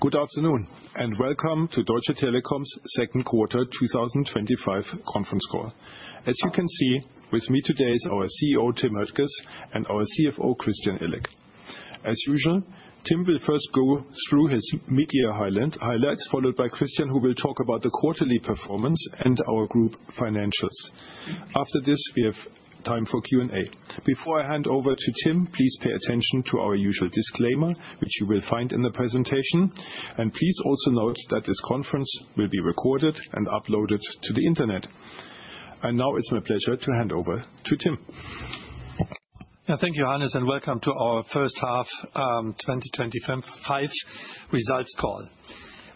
Good afternoon and welcome to Deutsche Telekom's second quarter 2025 conference call. As you can see, with me today is our CEO Timotheus Höttges and our CFO Christian Illek. As usual, Tim will first go through his mid-year highlights, followed by Christian, who will talk about the quarterly performance and our group financials. After this, we have time for Q&A. Before I hand over to Tim, please pay attention to our usual disclaimer, which you will find in the presentation. Please also note that this conference will be recorded and uploaded to the internet. Now it's my pleasure to hand over to Tim. Yeah, thank you, Hannes, and welcome to our first half 2025 results call.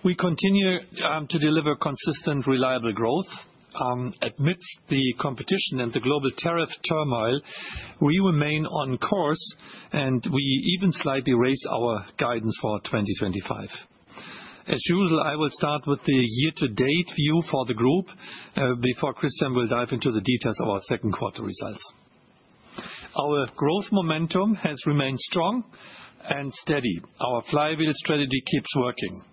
We continue to deliver consistent, reliable growth. Amidst the competition and the global tariff turmoil, we remain on course, and we even slightly raise our guidance for 2025. As usual, I will start with the year-to-date view for the group before Christian will dive into the details of our second quarter results. Our growth momentum has remained strong and steady. Our flywheel strategy keeps working.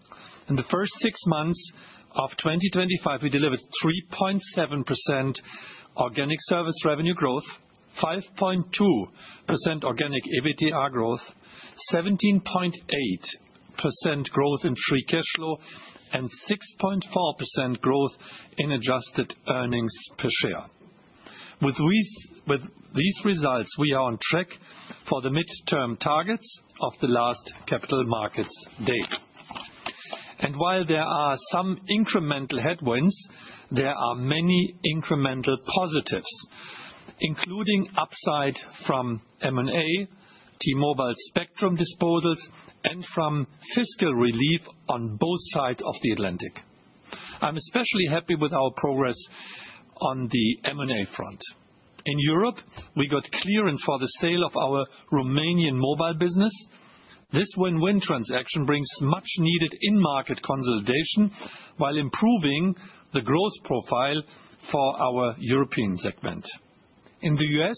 In the first six months of 2025, we delivered 3.7% organic service revenue growth, 5.2% organic EBITDA growth, 17.8% growth in free cash flow, and 6.4% growth in adjusted earnings per share. With these results, we are on track for the mid-term targets of the last capital markets date. While there are some incremental headwinds, there are many incremental positives, including upside from M&A, T-Mobile spectrum disposals, and from fiscal relief on both sides of the Atlantic. I'm especially happy with our progress on the M&A front. In Europe, we got clearance for the sale of our Romanian mobile business. This win-win transaction brings much-needed in-market consolidation while improving the growth profile for our European segment. In the U.S.,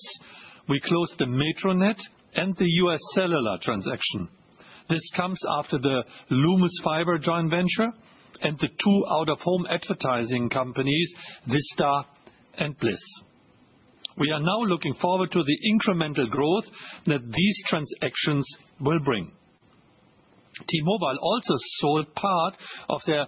we closed the Metronet and the UScellular transaction. This comes after the Lumos Fiber joint venture and the two out-of-home advertising companies, Vista and Bliss. We are now looking forward to the incremental growth that these transactions will bring. T-Mobile US also sold part of their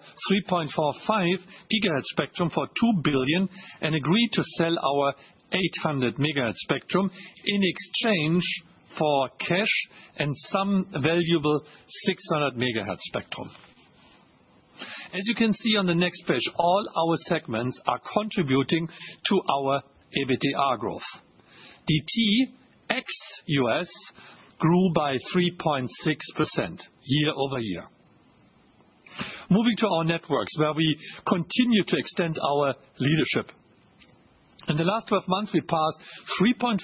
3.45 GHz spectrum for $2 billion and agreed to sell our 800 MHz spectrum in exchange for cash and some valuable 600 MHz spectrum. As you can see on the next page, all our segments are contributing to our EBITDA growth. DT ex-U.S. grew by 3.6% year-over-year. Moving to our networks, where we continue to extend our leadership. In the last 12 months, we passed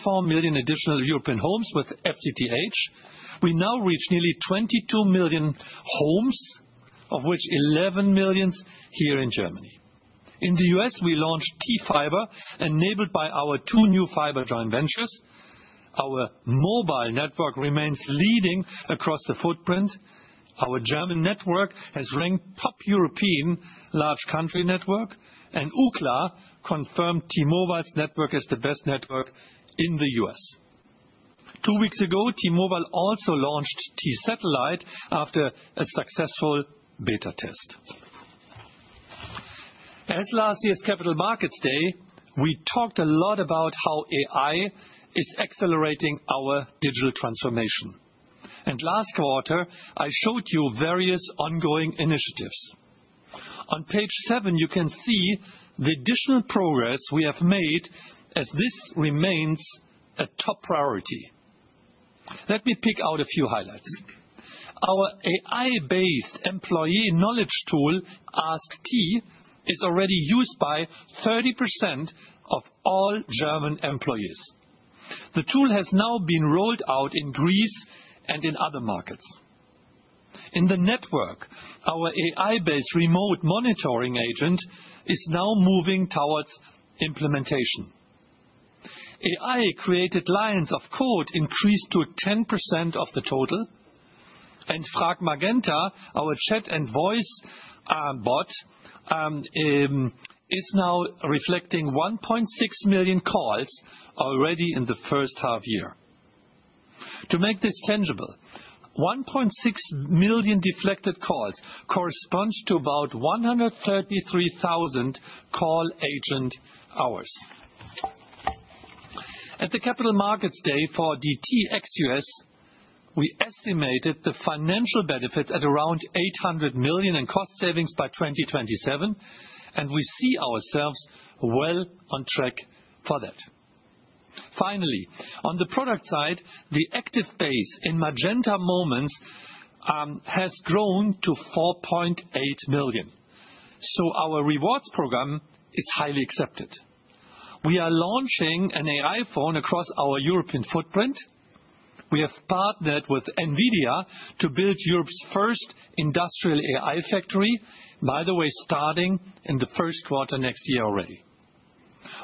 3.4 million additional European homes with FTTH. We now reach nearly 22 million homes, of which 11 million here in Germany. In the U.S., we launched T-Fiber, enabled by our two new fiber joint ventures. Our mobile network remains leading across the footprint. Our German network has ranked top European large country network, and UCLA confirmed T-Mobile network as the best network in the U.S. Two weeks ago, T-Mobile also launched T-Satellite after a successful beta test. At last year's Capital Markets Day, we talked a lot about how AI is accelerating our digital transformation. Last quarter, I showed you various ongoing initiatives. On page seven, you can see the additional progress we have made as this remains a top priority. Let me pick out a few highlights. Our AI-based employee knowledge tool, AskT, is already used by 30% of all German employees. The tool has now been rolled out in Greece and in other markets. In the network, our AI-based remote monitoring agent is now moving towards implementation. AI-created lines of code increased to 10% of the total, and Frag Magenta, our chat and voice bot, is now reflecting 1.6 million calls already in the first half year. To make this tangible, 1.6 million deflected calls correspond to about 133,000 call agent hours. At the Capital Markets Day for DT ex-U.S., we estimated the financial benefits at around 800 million in cost savings by 2027, and we see ourselves well on track for that. Finally, on the product side, the active base in Magenta moment has grown to 4.8 million. Our rewards program is highly accepted. We are launching an AI phone across our European footprint. We have partnered with NVIDIA to build Europe's first industrial AI factory, by the way, starting in the first quarter next year already.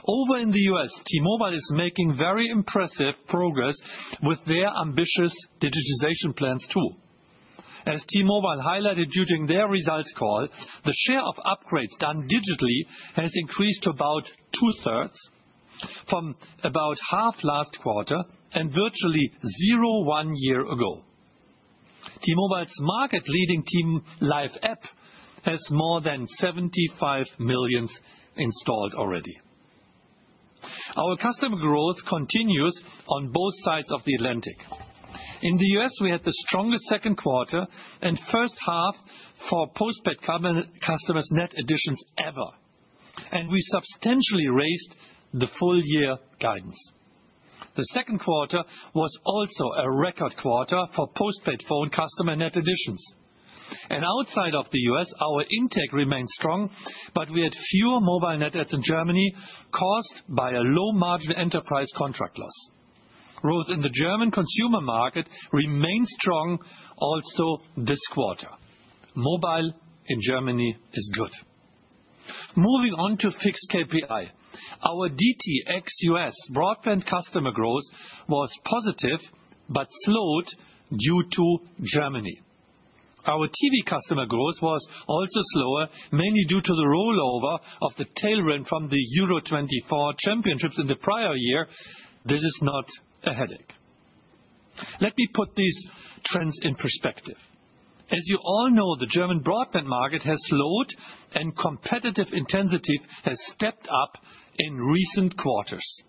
Over in the U.S., T-Mobile is making very impressive progress with their ambitious digitization plans too. As T-Mobile highlighted during their results call, the share of upgrades done digitally has increased to about two-thirds from about half last quarter and virtually zero one year ago. T-Mobile market-leading team life app has more than 75 million installed already. Our customer growth continues on both sides of the Atlantic. In the U.S., we had the strongest second quarter and first half for postpaid net additions ever. We substantially raised the full-year guidance. The second quarter was also a record quarter for postpaid phone customer net additions. Outside of the U.S., our intake remains strong, but we had fewer mobile net adds in Germany caused by a low margin enterprise contract loss. Growth in the German consumer market remains strong also this quarter. Mobile in Germany is good. Moving on to fixed KPI, our DT ex-U.S. broadband customer growth was positive but slowed due to Germany. Our TV customer growth was also slower, mainly due to the rollover of the tailwind from the Euro 2024 championships in the prior year. This is not a headache. Let me put these trends in perspective. As you all know, the German broadband market has slowed, and competitive intensity has stepped up in recent quarters.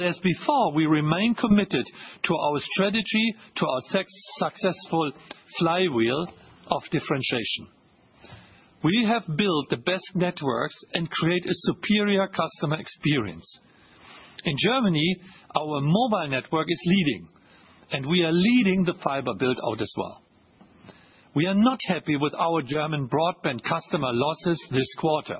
As before, we remain committed to our strategy, to our successful flywheel of differentiation. We have built the best networks and create a superior customer experience. In Germany, our mobile network is leading, and we are leading the fiber build-out as well. We are not happy with our German broadband customer losses this quarter,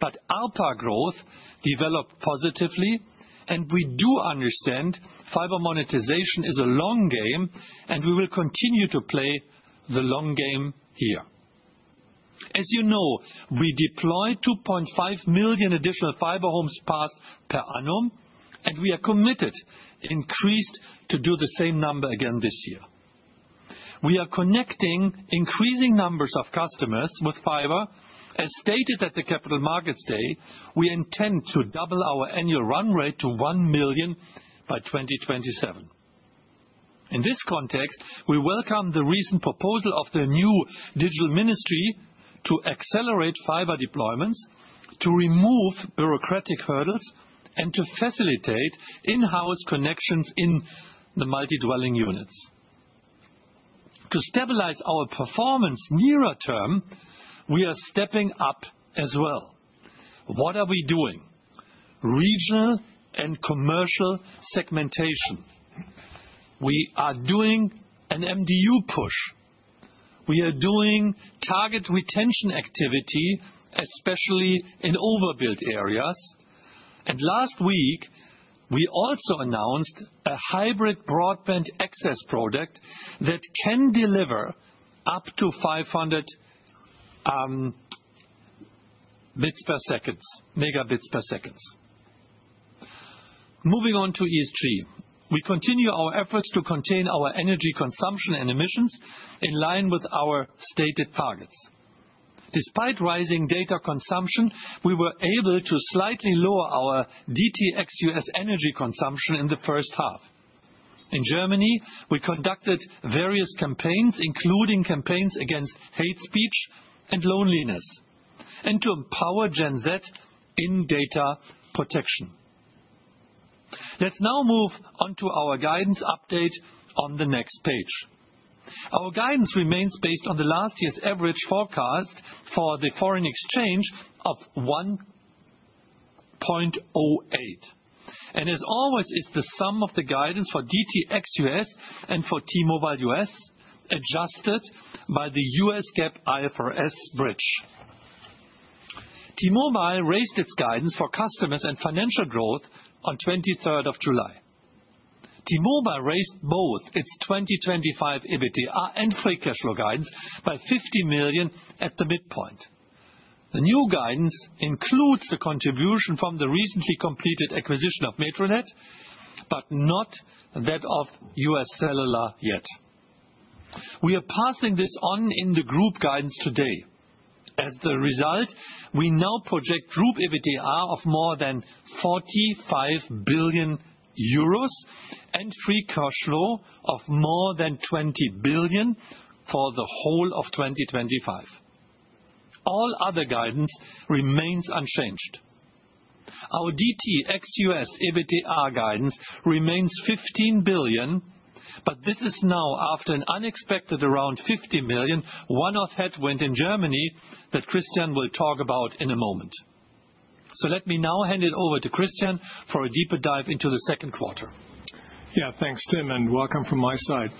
but our growth developed positively, and we do understand fiber monetization is a long game, and we will continue to play the long game here. As you know, we deployed 2.5 million additional fiber homes per annum, and we are committed to do the same number again this year. We are connecting increasing numbers of customers with fiber. As stated at the Capital Markets Day, we intend to double our annual run rate to 1 million by 2027. In this context, we welcome the recent proposal of the new Digital Ministry to accelerate fiber deployments, to remove bureaucratic hurdles, and to facilitate in-house connections in the multi-dwelling units. To stabilize our performance nearer term, we are stepping up as well. What are we doing? Regional and commercial segmentation. We are doing an MDU push. We are doing target retention activity, especially in overbuilt areas. Last week, we also announced a hybrid broadband access product that can deliver up to 500 Mbps. Moving on to ESG, we continue our efforts to contain our energy consumption and emissions in line with our stated targets. Despite rising data consumption, we were able to slightly lower our DT ex-U.S. energy consumption in the first half. In Germany, we conducted various campaigns, including campaigns against hate speech and loneliness, and to empower Gen Z in data protection. Let's now move on to our guidance update on the next page. Our guidance remains based on last year's average forecast for the foreign exchange of 1.08. As always, it's the sum of the guidance for DT ex-U.S. and for T-Mobile US adjusted by the U.S. GAAP IFRS bridge. T-Mobile raised its guidance for customers and financial growth on the 23rd of July. T-Mobile raised both its 2025 EBITDA and free cash flow guidance by $50 million at the midpoint. The new guidance includes the contribution from the recently completed acquisition of Metronet, but not that of UScellular yet. We are passing this on in the group guidance today. As a result, we now project group EBITDA of more than 45 billion euros and free cash flow of more than 20 billion for the whole of 2025. All other guidance remains unchanged. Our DT ex-U.S. EBITDA guidance remains €15 billion, but this is now after an unexpected around 50 million one-off headwind in Germany that Christian will talk about in a moment. Let me now hand it over to Christian for a deeper dive into the second quarter. Yeah, thanks, Tim, and welcome from my side.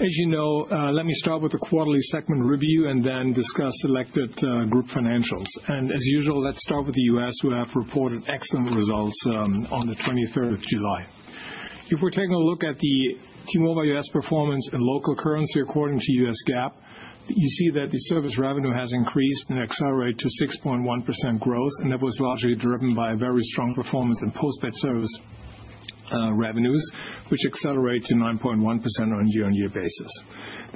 As you know, let me start with the quarterly segment review and then discuss selected group financials. As usual, let's start with the U.S., who have reported excellent results on the 23rd of July. If we're taking a look at the T-Mobile US performance in local currency according to U.S. GAAP, you see that the service revenue has increased and accelerated to 6.1% growth, and that was largely driven by a very strong performance in postpaid service revenues, which accelerate to 9.1% on a year-on-year basis.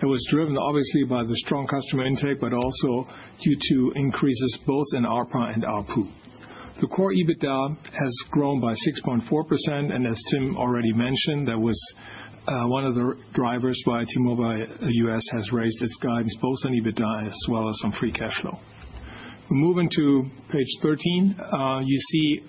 That was driven obviously by the strong customer intake, but also due to increases both in ARPA and ARPU. The core EBITDA has grown by 6.4%, and as Tim already mentioned, that was one of the drivers why T-Mobile US has raised its guidance both on EBITDA as well as on free cash flow. We move into page 13. You see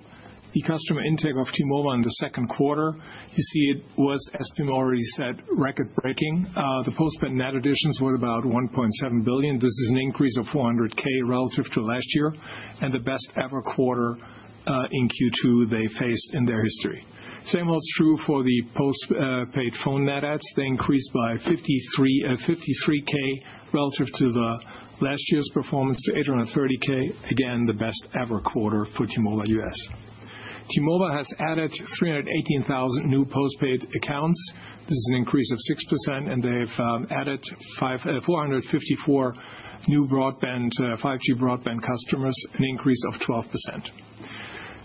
the customer intake of T-Mobile in the second quarter. You see it was, as Tim already said, record-breaking. The postpaid net additions were about 1.7 million. This is an increase of 400,000 relative to last year, and the best ever quarter in Q2 they faced in their history. Same holds true for the postpaid phone net adds. They increased by 53,000 relative to last year's performance to 830,000. Again, the best ever quarter for T-Mobile US. T-Mobile has added 318,000 new postpaid accounts. This is an increase of 6%, and they've added 454,000 new broadband, 5G broadband customers, an increase of 12%.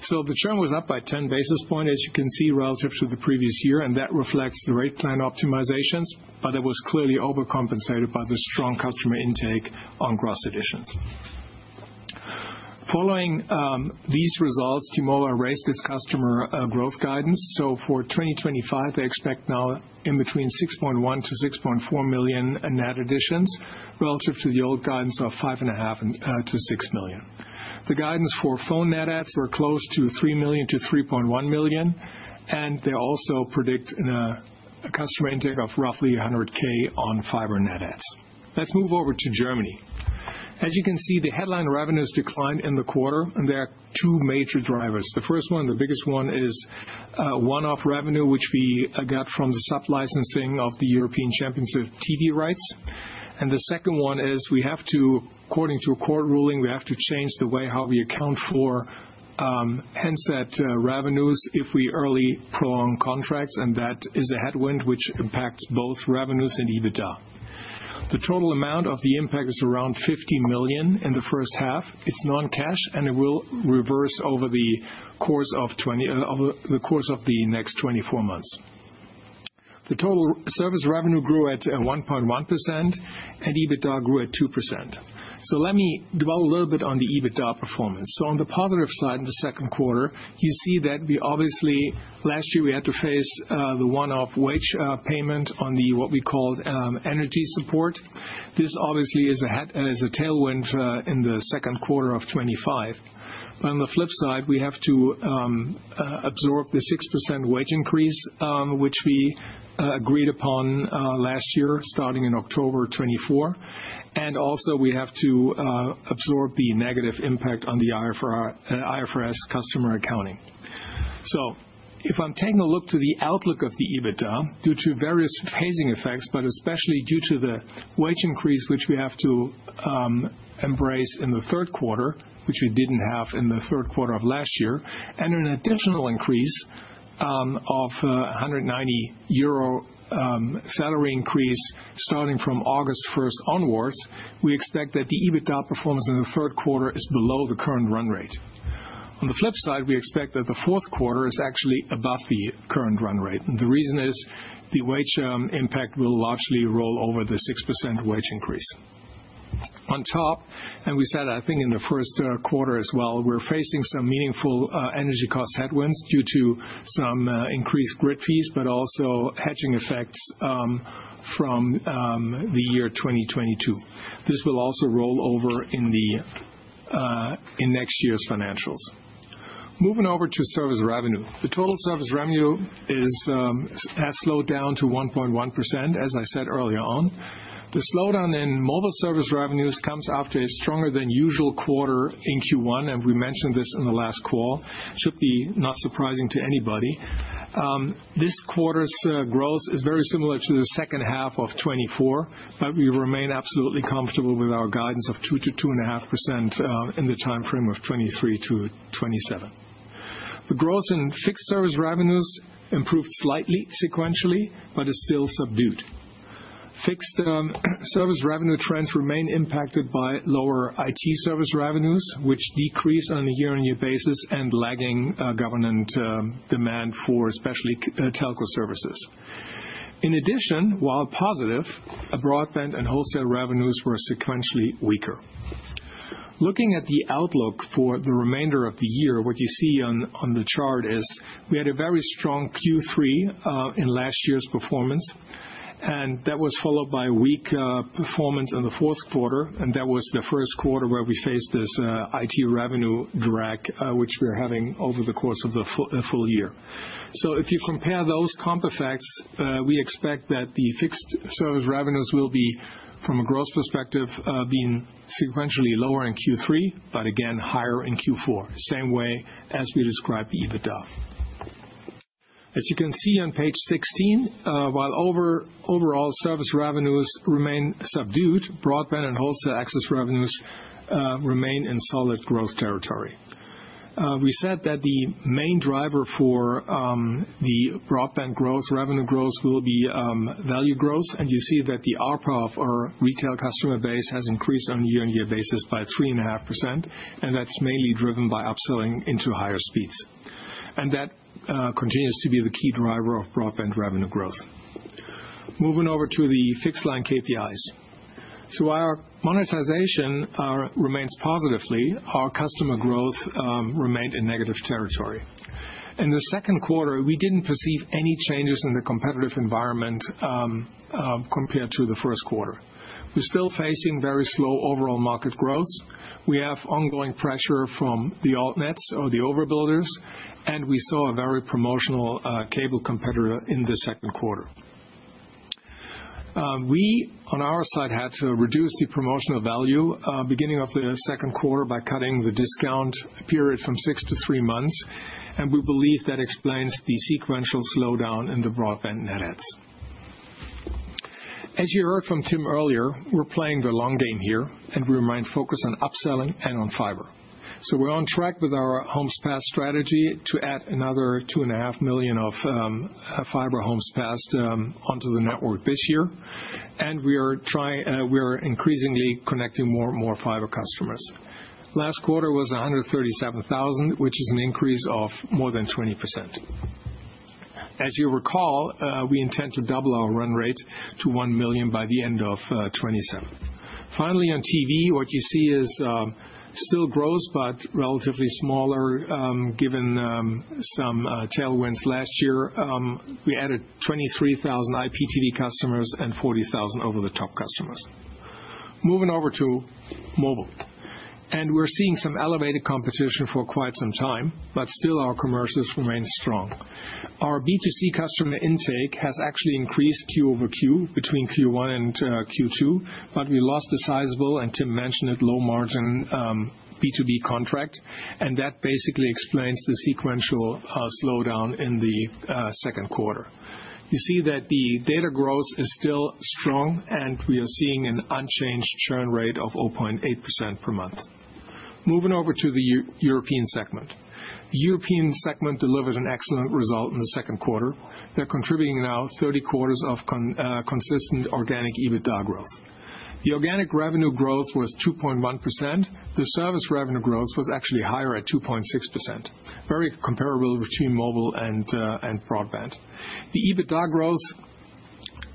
The churn was up by 10 basis points, as you can see, relative to the previous year, and that reflects the rate plan optimizations, but it was clearly overcompensated by the strong customer intake on gross additions. Following these results, T-Mobile raised its customer growth guidance. For 2025, they expect now in between 6.1 million-6.4 million net additions relative to the old guidance of 5.5 million-6 million. The guidance for phone net adds were close to 3 million-3.1 million, and they also predict a customer intake of roughly 100,000 on fiber net adds. Let's move over to Germany. As you can see, the headline revenues declined in the quarter, and there are two major drivers. The first one, the biggest one, is one-off revenue, which we got from the sub-licensing of the European Championship TV rights. The second one is we have to, according to a court ruling, change the way how we account for handset revenues if we early throw on contracts, and that is a headwind which impacts both revenues and EBITDA. The total amount of the impact is around 50 million in the first half. It's non-cash, and it will reverse over the course of the next 24 months. The total service revenue grew at 1.1%, and EBITDA grew at 2%. Let me dwell a little bit on the EBITDA performance. On the positive side in the second quarter, you see that last year we had to face the one-off wage payment on what we call energy support. This is a tailwind in the second quarter of 2025. On the flip side, we have to absorb the 6% wage increase, which we agreed upon last year, starting in October 2024. We also have to absorb the negative impact on the IFRS customer accounting. If I'm taking a look to the outlook of the EBITDA due to various phasing effects, but especially due to the wage increase, which we have to embrace in the third quarter, which we didn't have in the third quarter of last year, and an additional increase of a 190 euro salary increase starting from August 1st onwards, we expect that the EBITDA performance in the third quarter is below the current run rate. On the flip side, we expect that the fourth quarter is actually above the current run rate. The reason is the wage impact will largely roll over the 6% wage increase. On top, and we said, I think in the first quarter as well, we're facing some meaningful energy cost headwinds due to some increased grid fees, but also hedging effects from the year 2022. This will also roll over in next year's financials. Moving over to service revenue, the total service revenue has slowed down to 1.1%, as I said earlier on. The slowdown in mobile service revenues comes after a stronger than usual quarter in Q1, and we mentioned this in the last call. It should be not surprising to anybody. This quarter's growth is very similar to the second half of 2024, but we remain absolutely comfortable with our guidance of 2%-2.5% in the timeframe of 2023-2027. The growth in fixed service revenues improved slightly sequentially, but is still subdued. Fixed service revenue trends remain impacted by lower IT service revenues, which decrease on a year-on-year basis and lagging government demand for especially telco services. In addition, while positive, broadband and wholesale revenues were sequentially weaker. Looking at the outlook for the remainder of the year, what you see on the chart is we had a very strong Q3 in last year's performance, and that was followed by weak performance in the fourth quarter, and that was the first quarter where we faced this IT revenue drag, which we're having over the course of the full year. If you compare those comp effects, we expect that the fixed service revenues will be, from a growth perspective, being sequentially lower in Q3, but again higher in Q4, same way as we described the EBITDA. As you can see on page 16, while overall service revenues remain subdued, broadband and wholesale access revenues remain in solid growth territory. We said that the main driver for the broadband growth, revenue growth will be value growth, and you see that the ARPA of our retail customer base has increased on a year-on-year basis by 3.5%, and that's mainly driven by upselling into higher speeds. That continues to be the key driver of broadband revenue growth. Moving over to the fixed line KPIs. Our monetization remains positively; our customer growth remained in negative territory. In the second quarter, we didn't perceive any changes in the competitive environment compared to the first quarter. We're still facing very slow overall market growth. We have ongoing pressure from the Altnets or the overbuilders, and we saw a very promotional cable competitor in the second quarter. We, on our side, had to reduce the promotional value beginning of the second quarter by cutting the discount period from six to three months, and we believe that explains the sequential slowdown in the broadband net adds. As you heard from Tim earlier, we're playing the long game here, and we remain focused on upselling and on fiber. We're on track with our homes pass strategy to add another 2.5 million of fiber homes passed onto the network this year, and we are increasingly connecting more and more fiber customers. Last quarter was 137,000, which is an increase of more than 20%. As you recall, we intend to double our run rate to 1 million by the end of 2027. Finally, on TV, what you see is still growth, but relatively smaller given some tailwinds last year. We added 23,000 IPTV customers and 40,000 over-the-top customers. Moving over to mobile, we're seeing some elevated competition for quite some time, but still our commercials remain strong. Our B2C customer intake has actually increased quarter-over-quarter between Q1 and Q2, but we lost the sizable, and Tim mentioned it, low margin B2B contract, and that basically explains the sequential slowdown in the second quarter. You see that the data growth is still strong, and we are seeing an unchanged churn rate of 0.8% per month. Moving over to the European segment, the European segment delivered an excellent result in the second quarter. They're contributing now 30 quarters of consistent organic EBITDA growth. The organic revenue growth was 2.1%. The service revenue growth was actually higher at 2.6%. Very comparable with T-Mobile and broadband. The EBITDA growth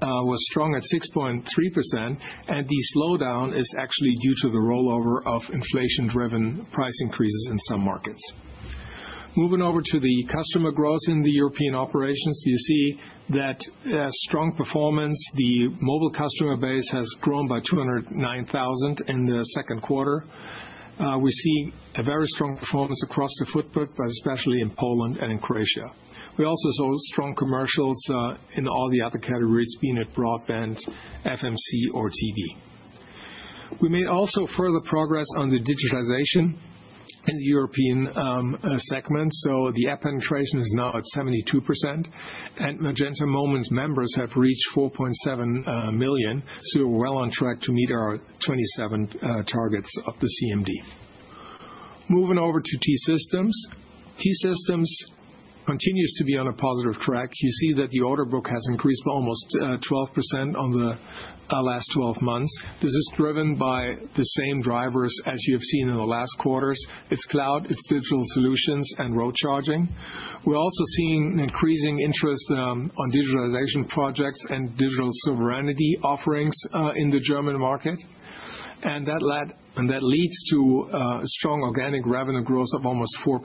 was strong at 6.3%, and the slowdown is actually due to the rollover of inflation-driven price increases in some markets. Moving over to the customer growth in the European operations, you see that strong performance. The mobile customer base has grown by 209,000 in the second quarter. We see a very strong performance across the footprint, but especially in Poland and in Croatia. We also saw strong commercials in all the other categories, be it broadband, FMC, or TV. We made also further progress on the digitization in the European segment. The app penetration is now at 72%, and Magenta Moment members have reached 4.7 million. We're well on track to meet our 2027 targets of the CMD. Moving over to T-Systems, T-Systems continues to be on a positive track. You see that the order book has increased by almost 12% in the last 12 months. This is driven by the same drivers as you have seen in the last quarters. It's cloud, it's digital solutions, and road charging. We're also seeing increasing interest on digitization projects and digital sovereignty offerings in the German market. That leads to a strong organic revenue growth of almost 4%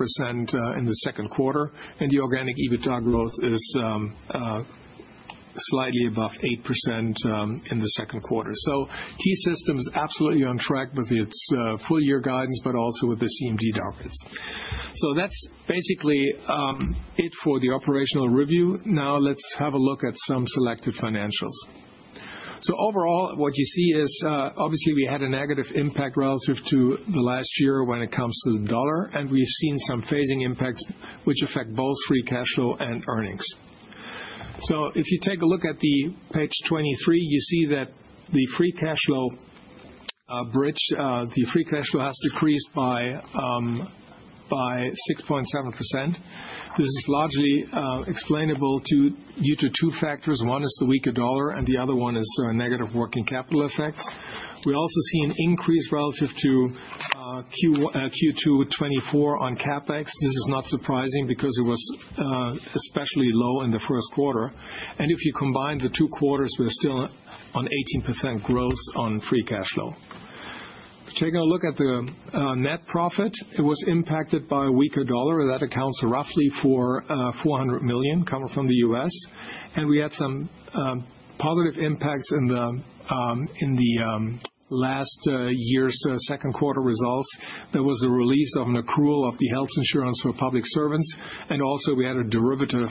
in the second quarter, and the organic EBITDA growth is slightly above 8% in the second quarter. T-Systems is absolutely on track with its full-year guidance, but also with the CMD droppings. That's basically it for the operational review. Now let's have a look at some selective financials. Overall, what you see is obviously we had a negative impact relative to last year when it comes to the dollar, and we've seen some phasing impacts, which affect both free cash flow and earnings. If you take a look at page 23, you see that the free cash flow bridge, the free cash flow has decreased by 6.7%. This is largely explainable due to two factors. One is the weaker dollar, and the other one is negative working capital effects. We also see an increase relative to Q2 2024 on CapEx. This is not surprising because it was especially low in the first quarter. If you combine the two quarters, we're still on 18% growth on free cash flow. Taking a look at the net profit, it was impacted by a weaker dollar. That accounts roughly for $400 million coming from the U.S. We had some positive impacts in last year's second quarter results. There was a release of an accrual of the health insurance for public servants, and also we had a derivative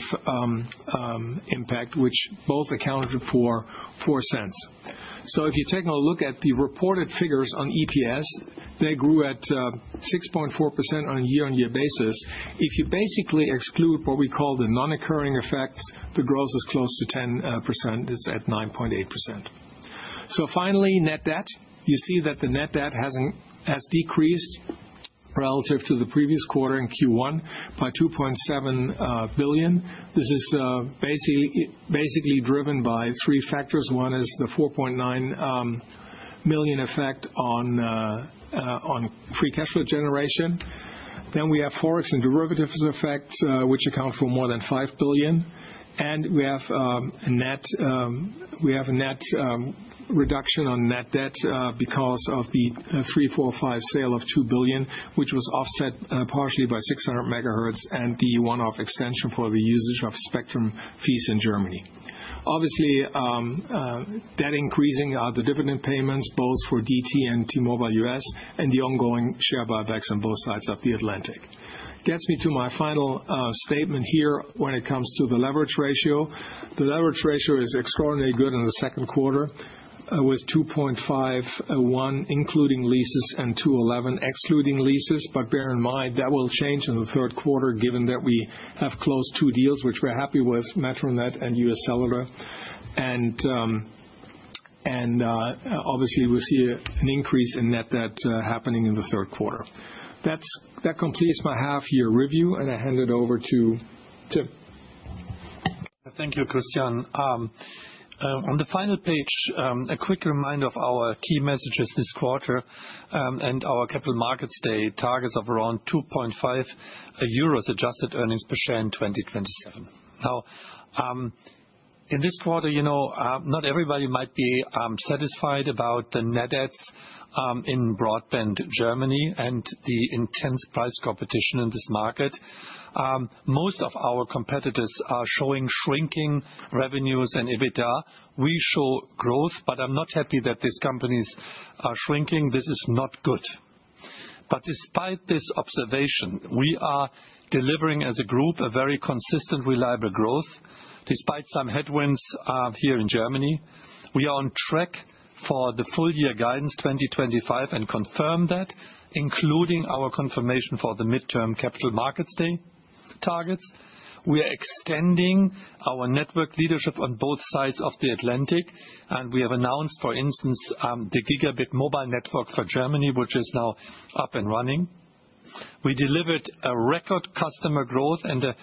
impact, which both accounted for $0.04. If you take a look at the reported figures on EPS, they grew at 6.4% on a year-on-year basis. If you basically exclude what we call the non-occurring effects, the growth is close to 10%. It's at 9.8%. Finally, net debt. You see that the net debt has decreased relative to the previous quarter in Q1 by $2.7 billion. This is basically driven by three factors. One is the $4.9 billion effect on free cash flow generation. Then we have forex and derivatives effects, which account for more than $5 billion. We have a net reduction on net debt because of the 345 sale of $2 billion, which was offset partially by 600 MHz and the one-off extension for the usage of spectrum fees in Germany. Obviously, debt increasing are the dividend payments both for DT and T-Mobile US and the ongoing share buybacks on both sides of the Atlantic. That gets me to my final statement here when it comes to the leverage ratio. The leverage ratio is extraordinarily good in the second quarter with 2.51, including leases, and 2.11, excluding leases. Bear in mind, that will change in the third quarter given that we have closed two deals, which we're happy with, Metronet and UScellular. Obviously, we see an increase in net debt happening in the third quarter. That completes my half-year review, and I hand it over to Tim. Thank you, Christian. On the final page, a quick reminder of our key messages this quarter and our capital markets day targets of around 2.5 euros adjusted earnings per share in 2027. Now, in this quarter, you know not everybody might be satisfied about the net adds in broadband Germany and the intense price competition in this market. Most of our competitors are showing shrinking revenues and EBITDA. We show growth, but I'm not happy that these companies are shrinking. This is not good. Despite this observation, we are delivering as a group a very consistent, reliable growth. Despite some headwinds here in Germany, we are on track for the full-year guidance 2025 and confirm that, including our confirmation for the midterm capital markets day targets. We are extending our network leadership on both sides of the Atlantic, and we have announced, for instance, the Gigabit mobile network for Germany, which is now up and running. We delivered a record customer growth and a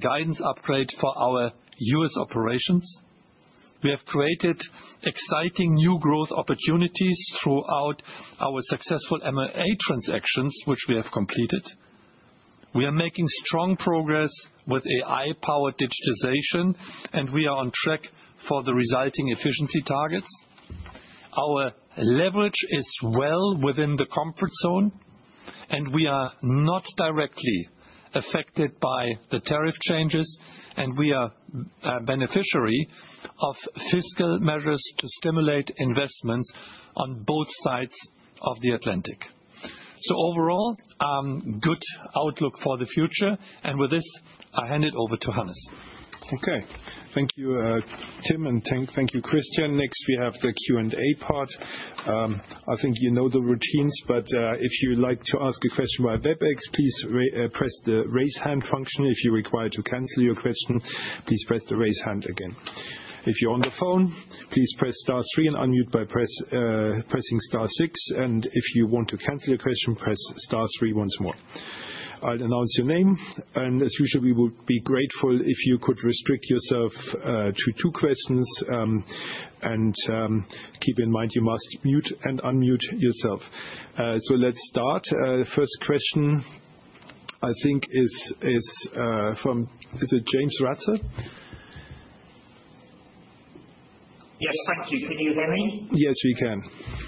guidance upgrade for our U.S. operations. We have created exciting new growth opportunities throughout our successful M&A transactions, which we have completed. We are making strong progress with AI-powered digitization, and we are on track for the resulting efficiency targets. Our leverage is well within the comfort zone, and we are not directly affected by the tariff changes, and we are a beneficiary of fiscal measures to stimulate investments on both sides of the Atlantic. Overall, a good outlook for the future. With this, I hand it over to Hannes. Okay. Thank you, Tim, and thank you, Christian. Next, we have the Q&A part. I think you know the routines, but if you'd like to ask a question via Webex, please press the raise hand function. If you're required to cancel your question, please press the raise hand again. If you're on the phone, please press star three and unmute by pressing star six. If you want to cancel your question, press star three once more. I'll announce your name. As usual, we would be grateful if you could restrict yourself to two questions. Keep in mind, you must mute and unmute yourself. Let's start. First question, I think, is from, is it James Ratzer? Yes, thank you. Can you hear me? Yes, we can.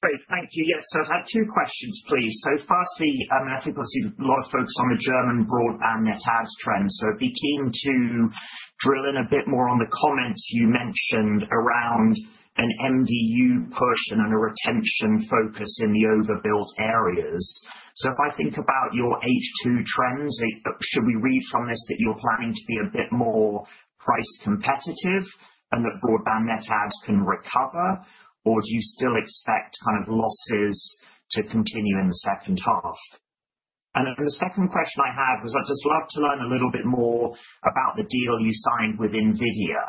Great. Thank you. Yes, I've had two questions, please. Firstly, I noticed you've got a lot of focus on the German broadband net adds trend. I'd be keen to drill in a bit more on the comments you mentioned around an MDU push and a retention focus in the overbuilt areas. If I think about your H2 transit, should we read from this that you're planning to be a bit more price competitive and that broadband net adds can recover, or do you still expect kind of losses to continue in the second half? The second question I had was I'd just love to learn a little bit more about the deal you signed with NVIDIA,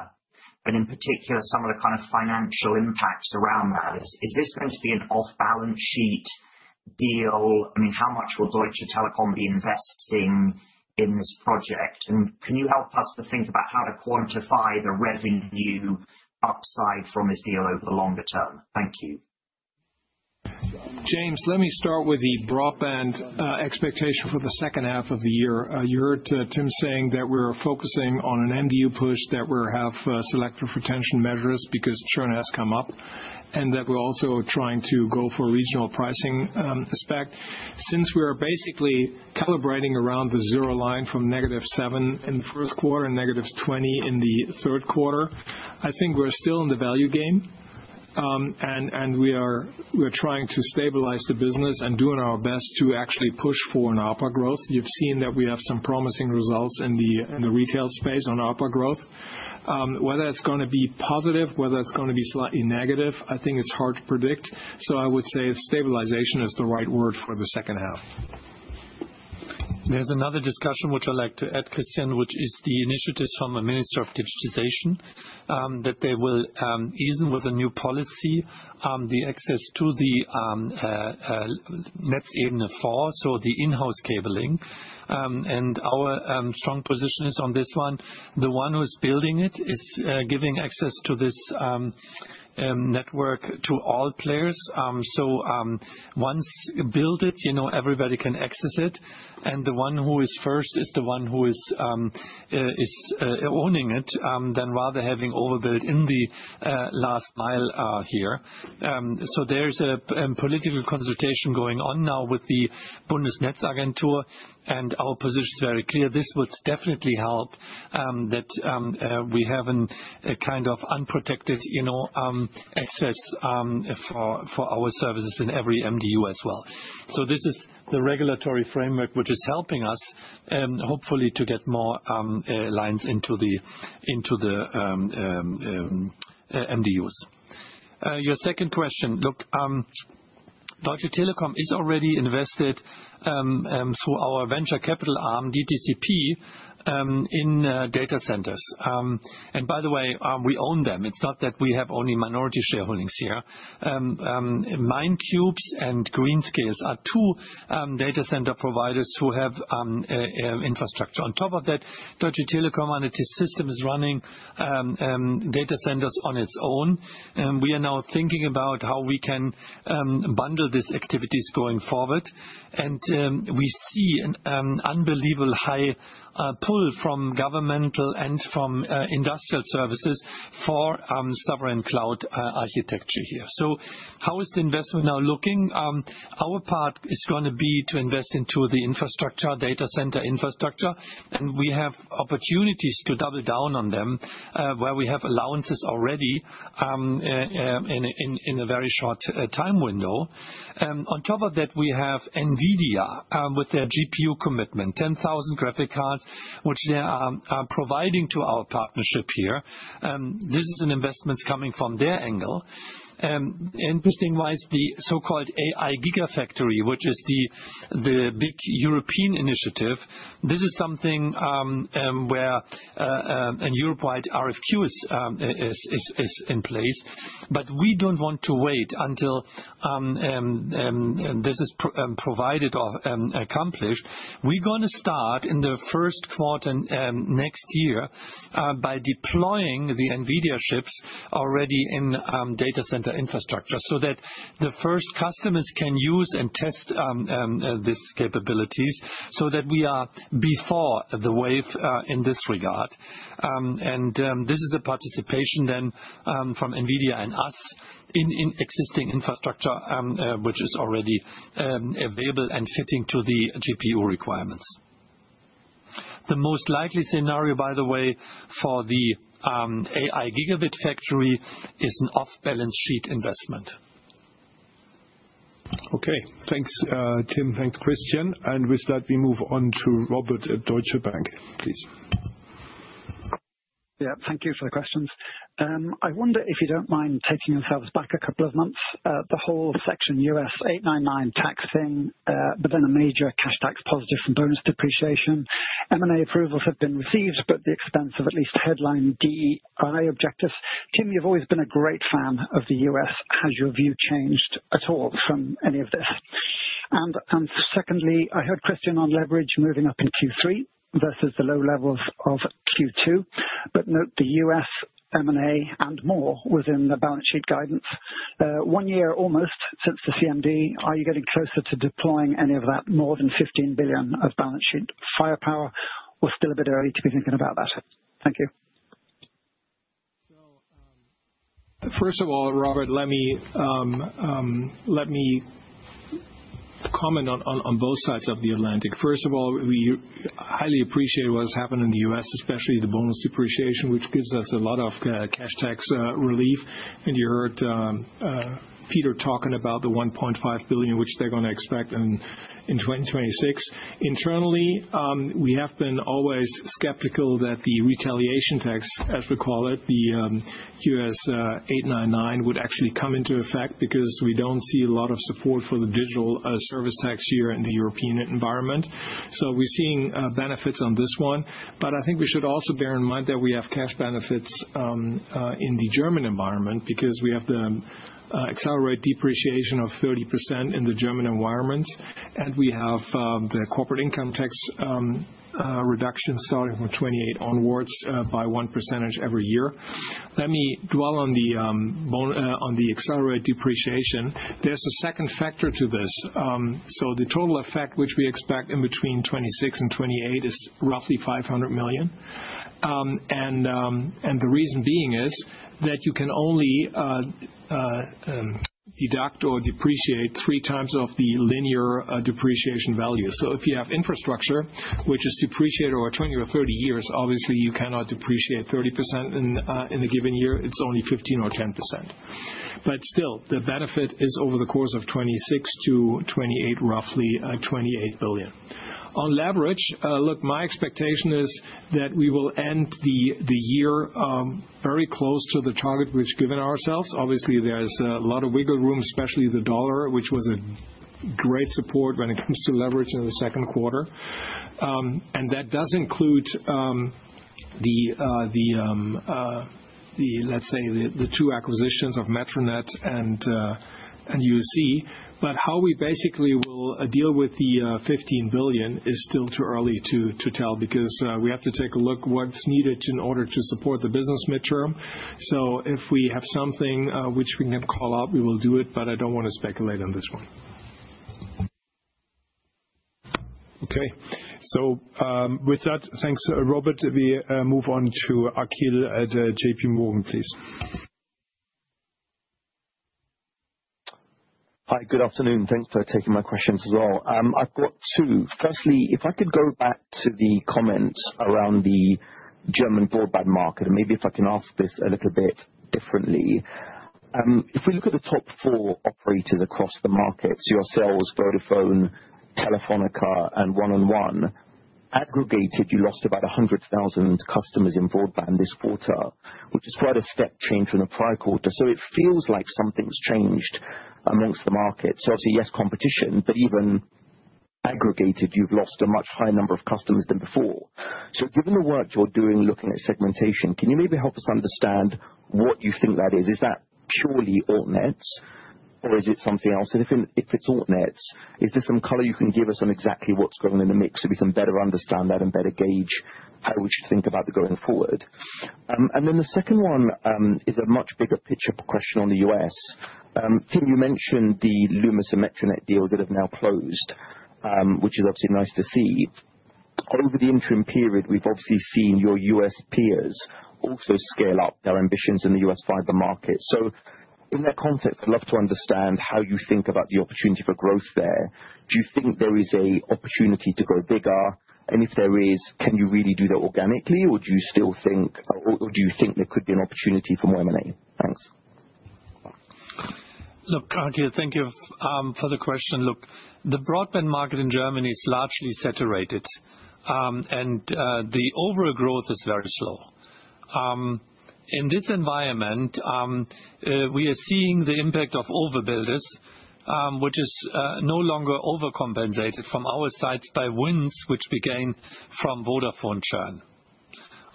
and in particular, some of the kind of financial impacts around that. Is this going to be an off-balance sheet deal? I mean, how much will Deutsche Telekom be investing in this project? Can you help us to think about how to quantify the revenue upside from this deal over the longer term? Thank you. James, let me start with the broadband expectation for the second half of the year. You heard Tim saying that we're focusing on an MDU push, that we have selective retention measures because churn has come up, and that we're also trying to go for regional pricing spec. Since we are basically calibrating around the zero line from -7 in the first quarter and -20 in the third quarter, I think we're still in the value game. We are trying to stabilize the business and doing our best to actually push for an ARPA growth. You've seen that we have some promising results in the retail space on ARPA growth. Whether it's going to be positive, whether it's going to be slightly negative, I think it's hard to predict. I would say stabilization is the right word for the second half. There's another discussion, which I'd like to add, Christian, which is the initiatives from the Minister of Digitization, that they will ease in with a new policy, the access to the Netzebene 4, so the in-house cabling. Our strong position is on this one. The one who's building it is giving access to this network to all players. Once you build it, you know everybody can access it. The one who is first is the one who is owning it, rather than having overbuilders in the last mile here. There's a political consultation going on now with the Bundesnetzagentur, and our position is very clear. This would definitely help that we have a kind of unprotected access for our services in every MDU as well. This is the regulatory framework, which is helping us, hopefully, to get more lines into the MDUs. Your second question, look, Deutsche Telekom is already invested through our venture capital arm, DTCP, in data centers. By the way, we own them. It's not that we have only minority shareholdings here. MineCubes and Greenscales are two data center providers who have infrastructure. On top of that, Deutsche Telekom Analytics System is running data centers on its own. We are now thinking about how we can bundle these activities going forward. We see an unbelievably high pull from governmental and from industrial services for sovereign cloud architecture here. How is the investment now looking? Our part is going to be to invest into the infrastructure, data center infrastructure, and we have opportunities to double down on them where we have allowances already in a very short time window. On top of that, we have NVIDIA with their GPU commitment, 10,000 graphic cards, which they are providing to our partnership here. This is an investment coming from their angle. Interestingly, the so-called AI Gigafactory, which is the big European initiative, is something where a Europe-wide RFQ is in place. We don't want to wait until this is provided or accomplished. We're going to start in the first quarter next year by deploying the NVIDIA chips already in data center infrastructure so that the first customers can use and test these capabilities, so that we are before the wave in this regard. This is a participation then from Nvidia and us in existing infrastructure, which is already available and fitting to the GPU requirements. The most likely scenario, by the way, for the AI Gigafactory is an off-balance sheet investment. Okay. Thanks, Tim. Thanks, Christian. With that, we move on to Robert at Deutsche Bank, please. Yeah, thank you for the questions. I wonder if you don't mind taking yourselves back a couple of months. The whole section U.S. 899 taxing, but then a major cash tax positive from bonus depreciation. M&A approvals have been received, but the expense of at least headline DEI objectives. Tim, you've always been a great fan of the U.S. Has your view changed at all from any of this? Secondly, I heard Christian on leverage moving up in Q3 versus the low levels of Q2. Note the U.S. M&A and more was in the balance sheet guidance. One year almost since the CMD. Are you getting closer to deploying any of that more than $15 billion of balance sheet firepower, or still a bit early to be thinking about that? Thank you. First of all, Robert, let me comment on both sides of the Atlantic. First of all, we highly appreciate what's happened in the U.S., especially the bonus depreciation, which gives us a lot of cash tax relief. You heard Peter talking about the $1.5 billion, which they're going to expect in 2026. Internally, we have been always skeptical that the retaliation tax, as we call it, the U.S. 899, would actually come into effect because we don't see a lot of support for the digital service tax here in the European environment. We're seeing benefits on this one. I think we should also bear in mind that we have tax benefits in the German environment because we have the accelerated depreciation of 30% in the German environment. We have the corporate income tax reduction starting from 2028 onwards by 1% every year. Let me dwell on the accelerated depreciation. There's a second factor to this. The total effect, which we expect in between 2026 and 2028, is roughly $500 million. The reason being is that you can only deduct or depreciate three times the linear depreciation value. If you have infrastructure, which is depreciated over 20 or 30 years, obviously, you cannot depreciate 30% in a given year. It's only 15% or 10%. Still, the benefit is over the course of 2026-2028, roughly $28 billion. On leverage, my expectation is that we will end the year very close to the target we've given ourselves. Obviously, there's a lot of wiggle room, especially the dollar, which was a great support when it comes to leverage in the second quarter. That does include, let's say, the two acquisitions of Metronet and UC. How we basically will deal with the $15 billion is still too early to tell because we have to take a look at what's needed in order to support the business midterm. If we have something which we can call out, we will do it, but I don't want to speculate on this one. Okay. With that, thanks, Robert. We move on to Akhil at JP Morgan, please. Hi, good afternoon. Thanks for taking my questions as well. I've got two. Firstly, if I could go back to the comments around the German broadband market, and maybe if I can ask this a little bit differently. If we look at the top four operators across the market, so yourselves, Vodafone, Telefónica, and 1&1, aggregately, you lost about 100,000 customers in broadband this quarter, which is quite a step change from the prior quarter. It feels like something's changed amongst the market. I'd say yes, competition, but even aggregated, you've lost a much higher number of customers than before. Given the work you're doing looking at segmentation, can you maybe help us understand what you think that is? Is that purely Altnets, or is it something else? If it's Altnets, is there some color you can give us on exactly what's going on in the mix so we can better understand that and better gauge how we should think about it going forward? The second one is a much bigger picture question on the U.S. Tim, you mentioned the Lumos and Metronet deal that have now closed, which is obviously nice to see. Over the interim period, we've obviously seen your U.S. peers also scale up their ambitions in the U.S. fiber market. In that context, I'd like to understand how you think about the opportunity for growth there. Do you think there is an opportunity to grow bigger? If there is, can you really do that organically, or do you think there could be an opportunity for more M&A? Look, Akhil, thank you for the question. Look, the broadband market in Germany is largely saturated, and the overall growth is very slow. In this environment, we are seeing the impact of overbuilders, which is no longer overcompensated from our sides by wins which we gain from Vodafone churn.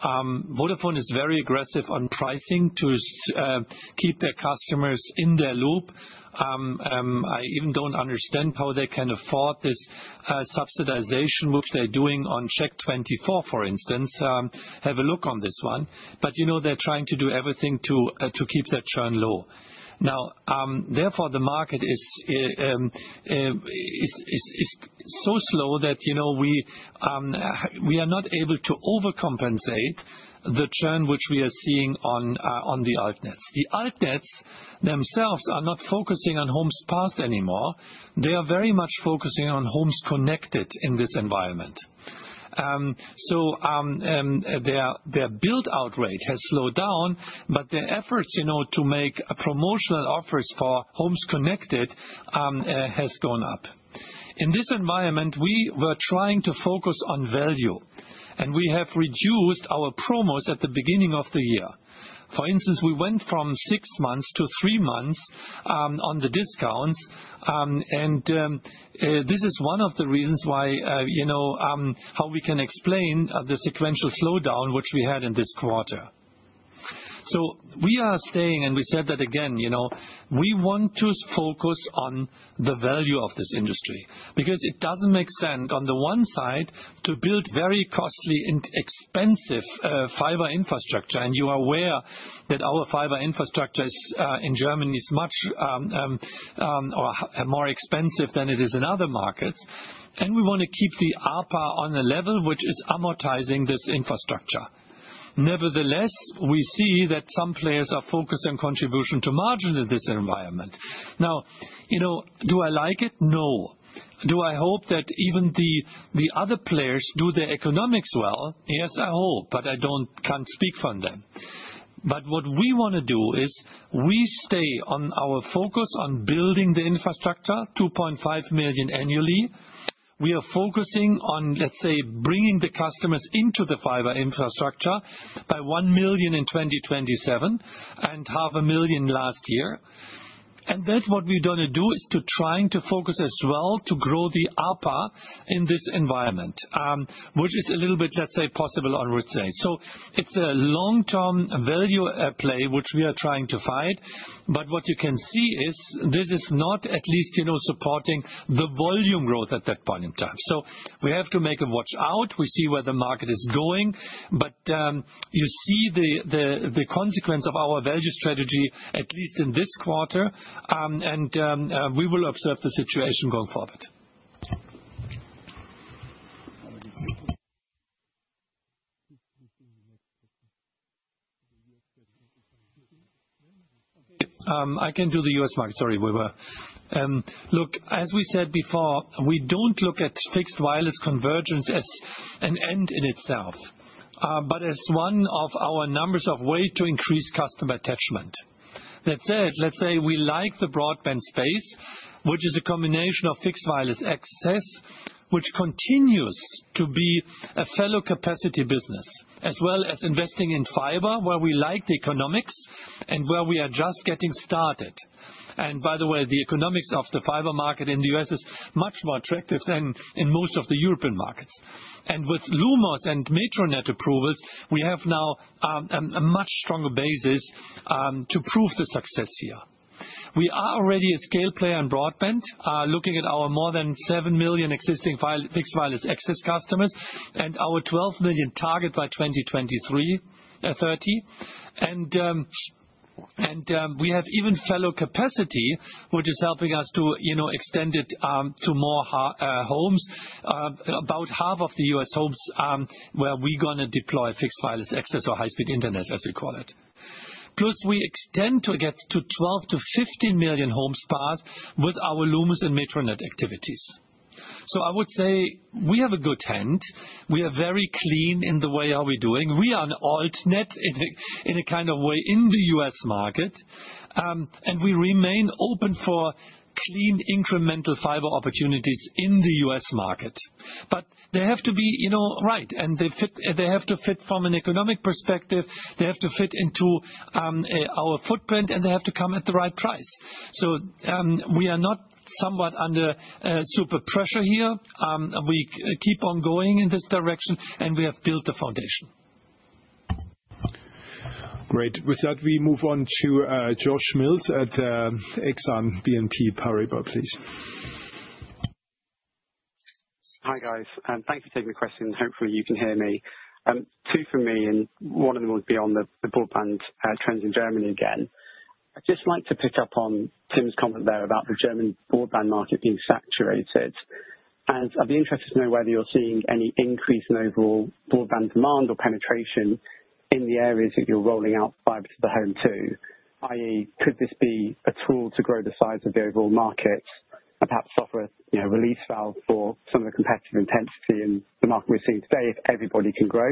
Vodafone is very aggressive on pricing to keep their customers in their loop. I even don't understand how they can afford this subsidization, which they're doing on CHECK24, for instance. Have a look on this one. You know they're trying to do everything to keep their churn low. Now, therefore, the market is so slow that you know we are not able to overcompensate the churn which we are seeing on the Altnets. The Altnets themselves are not focusing on homes passed anymore. They are very much focusing on homes connected in this environment. Their build-out rate has slowed down, but their efforts to make promotional offers for homes connected have gone up. In this environment, we were trying to focus on value, and we have reduced our promos at the beginning of the year. For instance, we went from six months to three months on the discounts. This is one of the reasons why you know how we can explain the sequential slowdown which we had in this quarter. We are staying, and we said that again, you know we want to focus on the value of this industry because it doesn't make sense on the one side to build very costly and expensive fiber infrastructure. You are aware that our fiber infrastructure in Germany is much more expensive than it is in other markets. We want to keep the ARPA on a level which is amortizing this infrastructure. Nevertheless, we see that some players are focused on contribution to margin in this environment. Now, you know do I like it? No. Do I hope that even the other players do their economics well? Yes, I hope, but I don't speak for them. What we want to do is we stay on our focus on building the infrastructure, 2.5 million annually. We are focusing on, let's say, bringing the customers into the fiber infrastructure by 1 million in 2027 and half a million last year. That's what we're going to do is to try to focus as well to grow the ARPA in this environment, which is a little bit, let's say, possible on roads. It's a long-term value play which we are trying to fight. What you can see is this is not at least supporting the volume growth at that point in time. We have to make a watch out. We see where the market is going. You see the consequence of our value strategy, at least in this quarter, and we will observe the situation going forward. I can do the U.S. market. As we said before, we don't look at fixed wireless convergence as an end in itself, but as one of our numbers of ways to increase customer attachment. That said, let's say we like the broadband space, which is a combination of fixed wireless access, which continues to be a fellow capacity business, as well as investing in fiber where we like the economics and where we are just getting started. By the way, the economics of the fiber market in the U.S. is much more attractive than in most of the European markets. With Lumos and Metronet approvals, we have now a much stronger basis to prove the success here. We are already a scale player in broadband, looking at our more than 7 million existing fixed wireless access customers and our 12 million target by 2030. We have even fellow capacity, which is helping us to extend it to more homes. About half of the U.S. homes where we're going to deploy fixed wireless access or high-speed internet, as we call it. Plus, we extend to get to 12 million-15 million homes passed with our Lumos and Metronet activities. I would say we have a good hand. We are very clean in the way how we're doing. We are an Altnet in a kind of way in the U.S. market. We remain open for clean incremental fiber opportunities in the U.S. market. They have to be, you know, right. They have to fit from an economic perspective. They have to fit into our footprint, and they have to come at the right price. We are not somewhat under super pressure here. We keep on going in this direction, and we have built the foundation. Great. With that, we move on to Joshua Mills at BNP Paribas, please. Hi, guys. Thank you for taking the question. Hopefully, you can hear me. Two from me, and one of them would be on the broadband trends in Germany again. I'd just like to pick up on Tim's comment there about the German broadband market being saturated. I'd be interested to know whether you're seeing any increase in overall broadband demand or penetration in the areas that you're rolling out fiber to the home to. I.e., could this be a tool to grow the size of the overall markets and perhaps offer a release valve for some of the competitive intensity in the market we're seeing today if everybody can grow?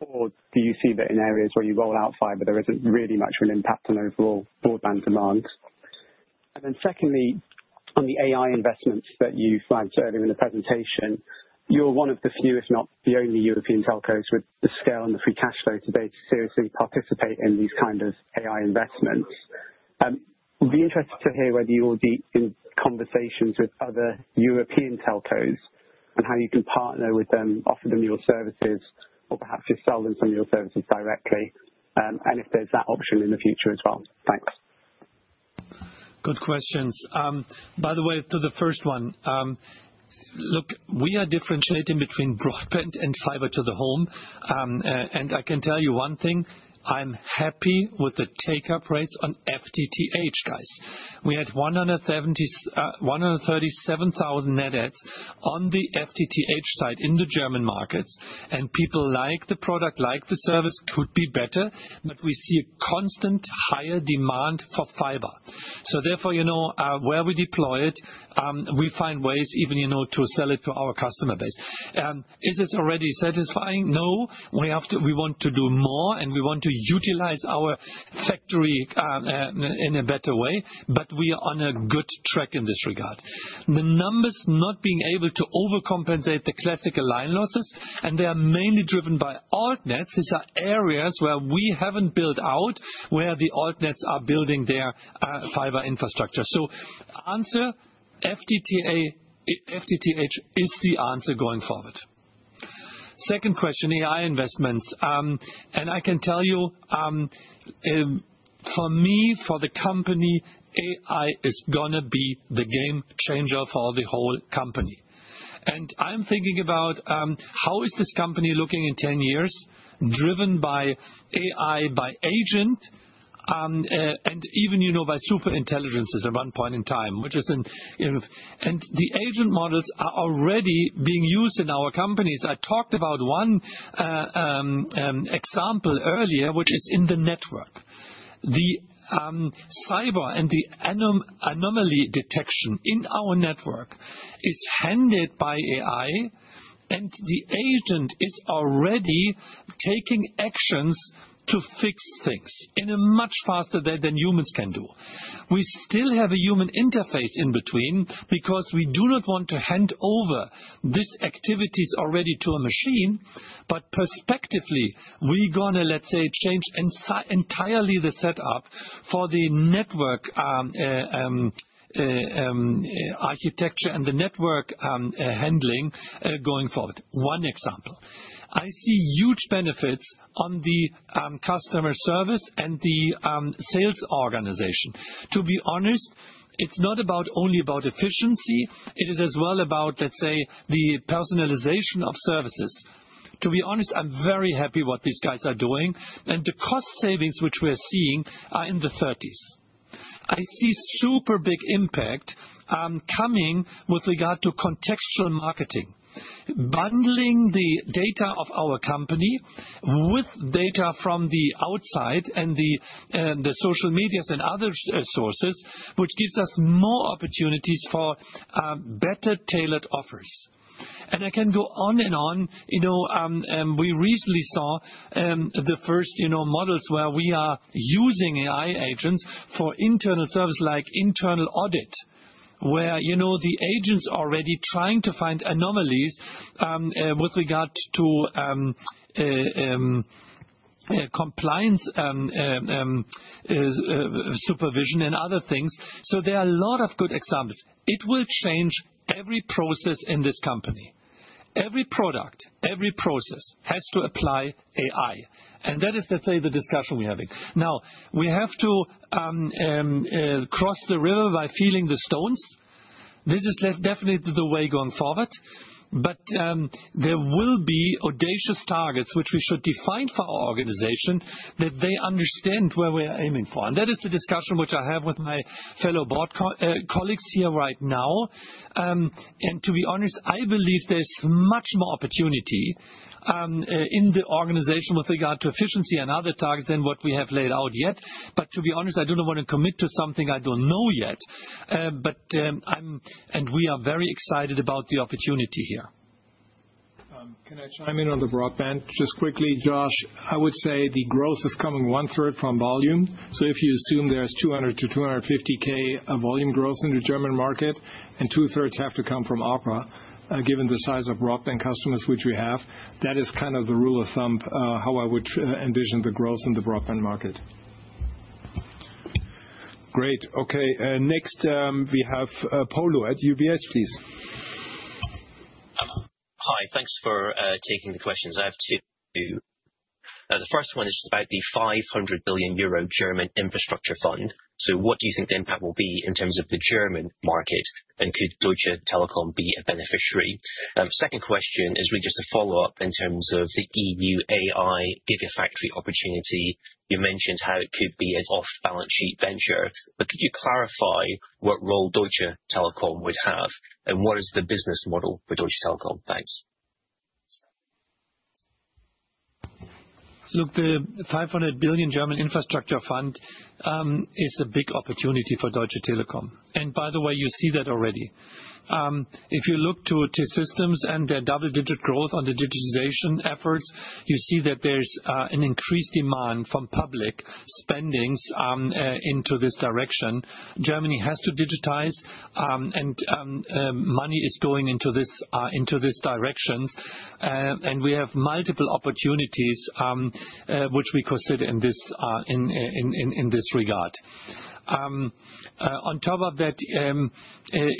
Do you see that in areas where you roll out fiber, there isn't really much of an impact on overall broadband demand? Secondly, on the AI investments that you flagged earlier in the presentation, you're one of the few, if not the only, European telcos with the scale and the free cash flow today to seriously participate in these kinds of AI investments. I'd be interested to hear whether you will be in conversations with other European telcos and how you can partner with them, offer them your services, or perhaps just sell them some of your services directly, and if there's that option in the future as well. Thanks. Good questions. By the way, to the first one, look, we are differentiating between broadband and fiber to the home. I can tell you one thing. I'm happy with the take-up rates on FTTH, guys. We had 137,000 net adds on the FTTH side in the German markets. People like the product, like the service could be better, but we see a constant higher demand for fiber. Therefore, where we deploy it, we find ways even to sell it to our customer base. Is this already satisfying? No. We want to do more, and we want to utilize our factory in a better way, but we are on a good track in this regard. The numbers are not able to overcompensate the classical line losses, and they are mainly driven by Altnets. These are areas where we haven't built out, where the Altnets are building their fiber infrastructure. FTTH is the answer going forward. Second question, AI investments. I can tell you, for me, for the company, AI is going to be the game changer for the whole company. I'm thinking about how is this company looking in 10 years, driven by AI, by agent, and even by superintelligences at one point in time, which is an. The agent models are already being used in our companies. I talked about one example earlier, which is in the network. The cyber and the anomaly detection in our network is handled by AI, and the agent is already taking actions to fix things in a much faster way than humans can do. We still have a human interface in between because we do not want to hand over these activities already to a machine. Perspectively, we're going to, let's say, change entirely the setup for the network architecture and the network handling going forward. One example. I see huge benefits on the customer service and the sales organization. To be honest, it's not only about efficiency. It is as well about, let's say, the personalization of services. To be honest, I'm very happy with what these guys are doing. The cost savings, which we're seeing, are in the 30%. I see super big impact coming with regard to contextual marketing, bundling the data of our company with data from the outside and the social medias and other sources, which gives us more opportunities for better tailored offers. I can go on and on. We recently saw the first models where we are using AI agents for internal service, like internal audits, where the agents are already trying to find anomalies with regard to compliance supervision and other things. There are a lot of good examples. It will change every process in this company. Every product, every process has to apply AI. That is, let's say, the discussion we're having. We have to cross the river by feeling the stones. This is definitely the way going forward. There will be audacious targets which we should define for our organization so that they understand where we're aiming for. That is the discussion which I have with my fellow board colleagues here right now. To be honest, I believe there's much more opportunity in the organization with regard to efficiency and other targets than what we have laid out yet. To be honest, I don't want to commit to something I don't know yet. We are very excited about the opportunity here. Can I chime in on the broadband? Just quickly, Josh, I would say the growth is coming one-third from volume. If you assume there's 200,000-250,000 volume growth in the German market, and two-thirds have to come from ARPA, given the size of broadband customers which we have, that is kind of the rule of thumb, how I would envision the growth in the broadband market. Great. Okay. Next, we have Polo Tang at UBS, please. Hi, thanks for taking the questions. I have two. The first one is about the 500 billion euro German infrastructure fund. What do you think the impact will be in terms of the German market, and could Deutsche Telekom be a beneficiary? The second question is really just a follow-up in terms of the EU AI Gigafactory opportunity. You mentioned how it could be an off-balance sheet venture, but could you clarify what role Deutsche Telekom would have, and what is the business model for Deutsche Telekom? Thanks. Look, the 500 billion German infrastructure fund is a big opportunity for Deutsche Telekom. By the way, you see that already. If you look to T-Systems and their double-digit growth on the digitization efforts, you see that there's an increased demand from public spendings into this direction. Germany has to digitize, and money is going into this direction. We have multiple opportunities which we consider in this regard. On top of that,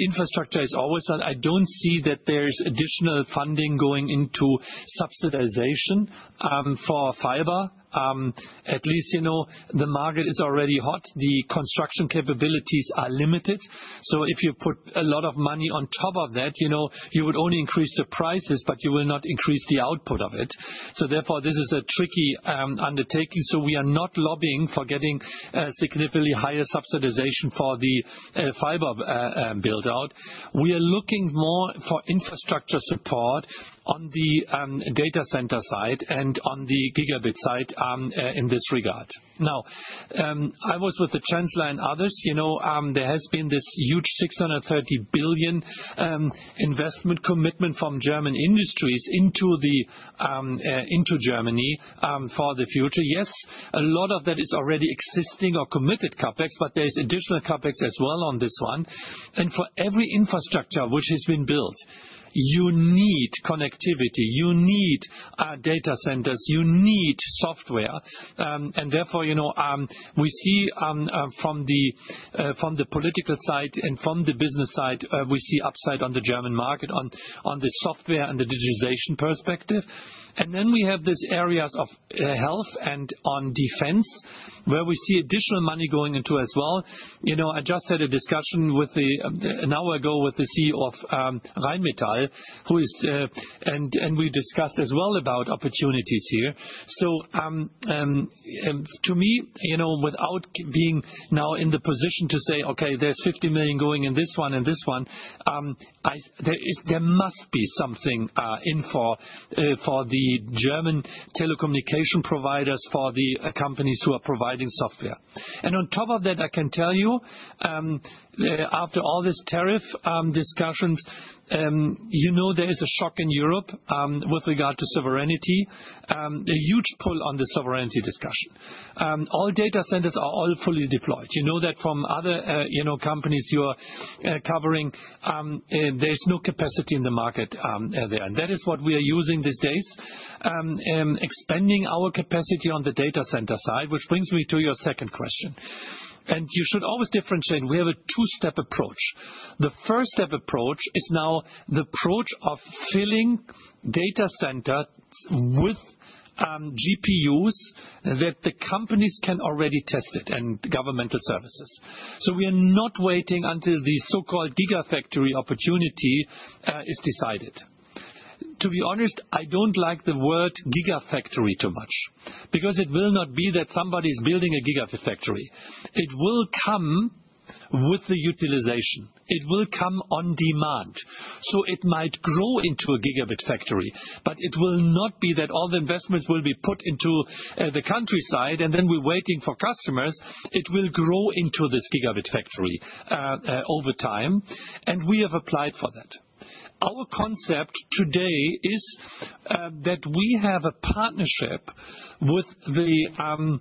infrastructure is always that I don't see that there's additional funding going into subsidization for fiber. At least, you know, the market is already hot. The construction capabilities are limited. If you put a lot of money on top of that, you would only increase the prices, but you will not increase the output of it. Therefore, this is a tricky undertaking. We are not lobbying for getting a significantly higher subsidization for the fiber build-out. We are looking more for infrastructure support on the data center side and on the gigabit side in this regard. I was with the Chancellor and others. There has been this huge 630 billion investment commitment from German industries into Germany for the future. Yes, a lot of that is already existing or committed CapEx, but there's additional CapEx as well on this one. For every infrastructure which has been built, you need connectivity. You need data centers. You need software. Therefore, we see from the political side and from the business side, we see upside on the German market on the software and the digitization perspective. We have these areas of health and on defense where we see additional money going into as well. I just had a discussion an hour ago with the CEO of Rheinmetall, and we discussed as well about opportunities here. To me, without being now in the position to say, okay, there's 50 million going in this one and this one, there must be something in for the German telecommunication providers, for the companies who are providing software. On top of that, I can tell you, after all these tariff discussions, there is a shock in Europe with regard to sovereignty, a huge pull on the sovereignty discussion. All data centers are all fully deployed. You know that from other companies you are covering, there's no capacity in the market there. That is what we are using these days, expanding our capacity on the data center side, which brings me to your second question. You should always differentiate. We have a two-step approach. The first step approach is now the approach of filling data centers with GPUs that the companies can already test and governmental services. We are not waiting until the so-called gigafactory opportunity is decided. To be honest, I don't like the word gigafactory too much because it will not be that somebody is building a gigafactory. It will come with the utilization. It will come on demand. It might grow into a gigabit factory, but it will not be that all the investments will be put into the countryside and then we're waiting for customers. It will grow into this gigabit factory over time. We have applied for that. Our concept today is that we have a partnership with the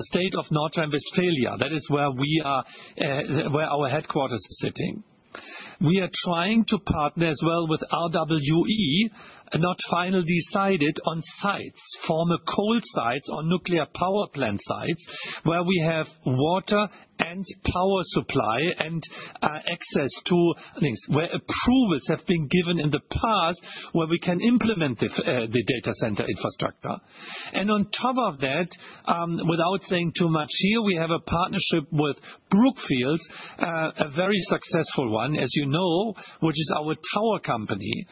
state of North Rhine-Westphalia. That is where our headquarters are sitting. We are trying to partner as well with RWE and not finally decided on sites, former coal sites or nuclear power plant sites where we have water and power supply and access to things where approvals have been given in the past where we can implement the data center infrastructure. On top of that, without saying too much here, we have a partnership with Brookfield, a very successful one, as you know, which is our tower company.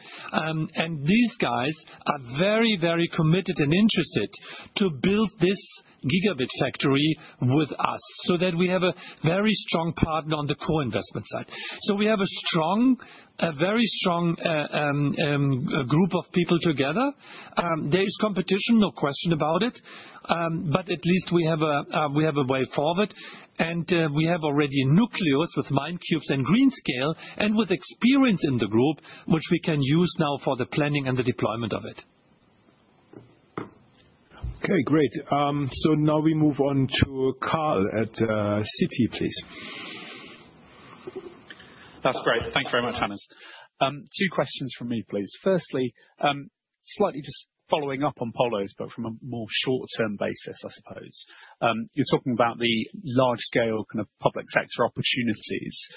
These guys are very, very committed and interested to build this gigabit factory with us so that we have a very strong partner on the co-investment side. We have a very strong group of people together. There is competition, no question about it. At least we have a way forward. We have already nucleus with MineCubes and Greenscale and with experience in the group, which we can use now for the planning and the deployment of it. Okay, great. Now we move on to Carl at Citi, please. That's great. Thank you very much, Hannes. Two questions from me, please. Firstly, slightly just following up on Polo's, but from a more short-term basis, I suppose. You're talking about the large-scale kind of public sector opportunities.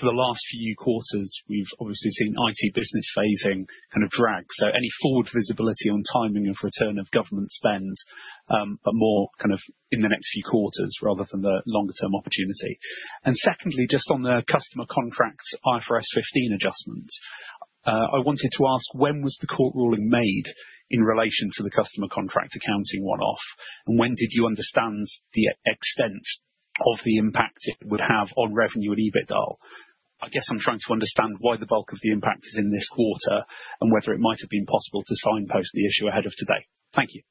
For the last few quarters, we've obviously seen IT business phasing kind of drag. Any forward visibility on timing of return of government spend, but more kind of in the next few quarters rather than the longer-term opportunity? Secondly, just on the customer contracts IFRS 15 adjustments, I wanted to ask when was the court ruling made in relation to the customer contract accounting one-off? When did you understand the extent of the impact it would have on revenue and EBITDA? I guess I'm trying to understand why the bulk of the impact is in this quarter and whether it might have been possible to signpost the issue ahead of today. Thank you.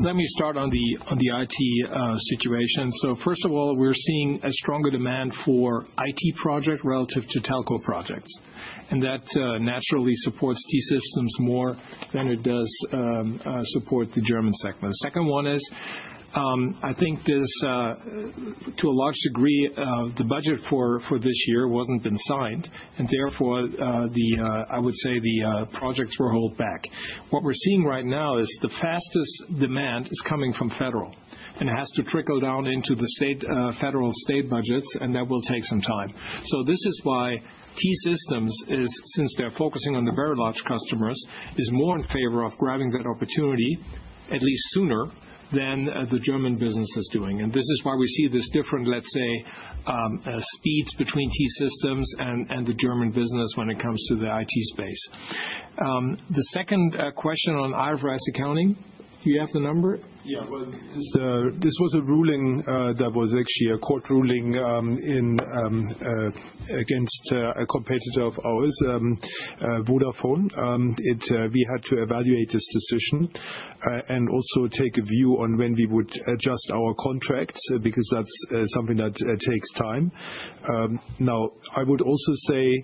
Let me start on the IT situation. First of all, we're seeing a stronger demand for IT projects relative to telco projects. That naturally supports T-Systems more than it does support the German segment. The second one is, to a large degree, the budget for this year wasn't signed. Therefore, I would say the projects were held back. What we're seeing right now is the fastest demand is coming from federal, and it has to trickle down into the federal state budgets, and that will take some time. This is why T-Systems, since they're focusing on the very large customers, is more in favor of grabbing that opportunity, at least sooner, than the German business is doing. This is why we see these different, let's say, speeds between T-Systems and the German business when it comes to the IT space. The second question on IFRS accounting, do you have the number? Yeah. This was a ruling that was actually a court ruling against a competitor of ours, Vodafone. We had to evaluate this decision and also take a view on when we would adjust our contracts because that's something that takes time. I would also say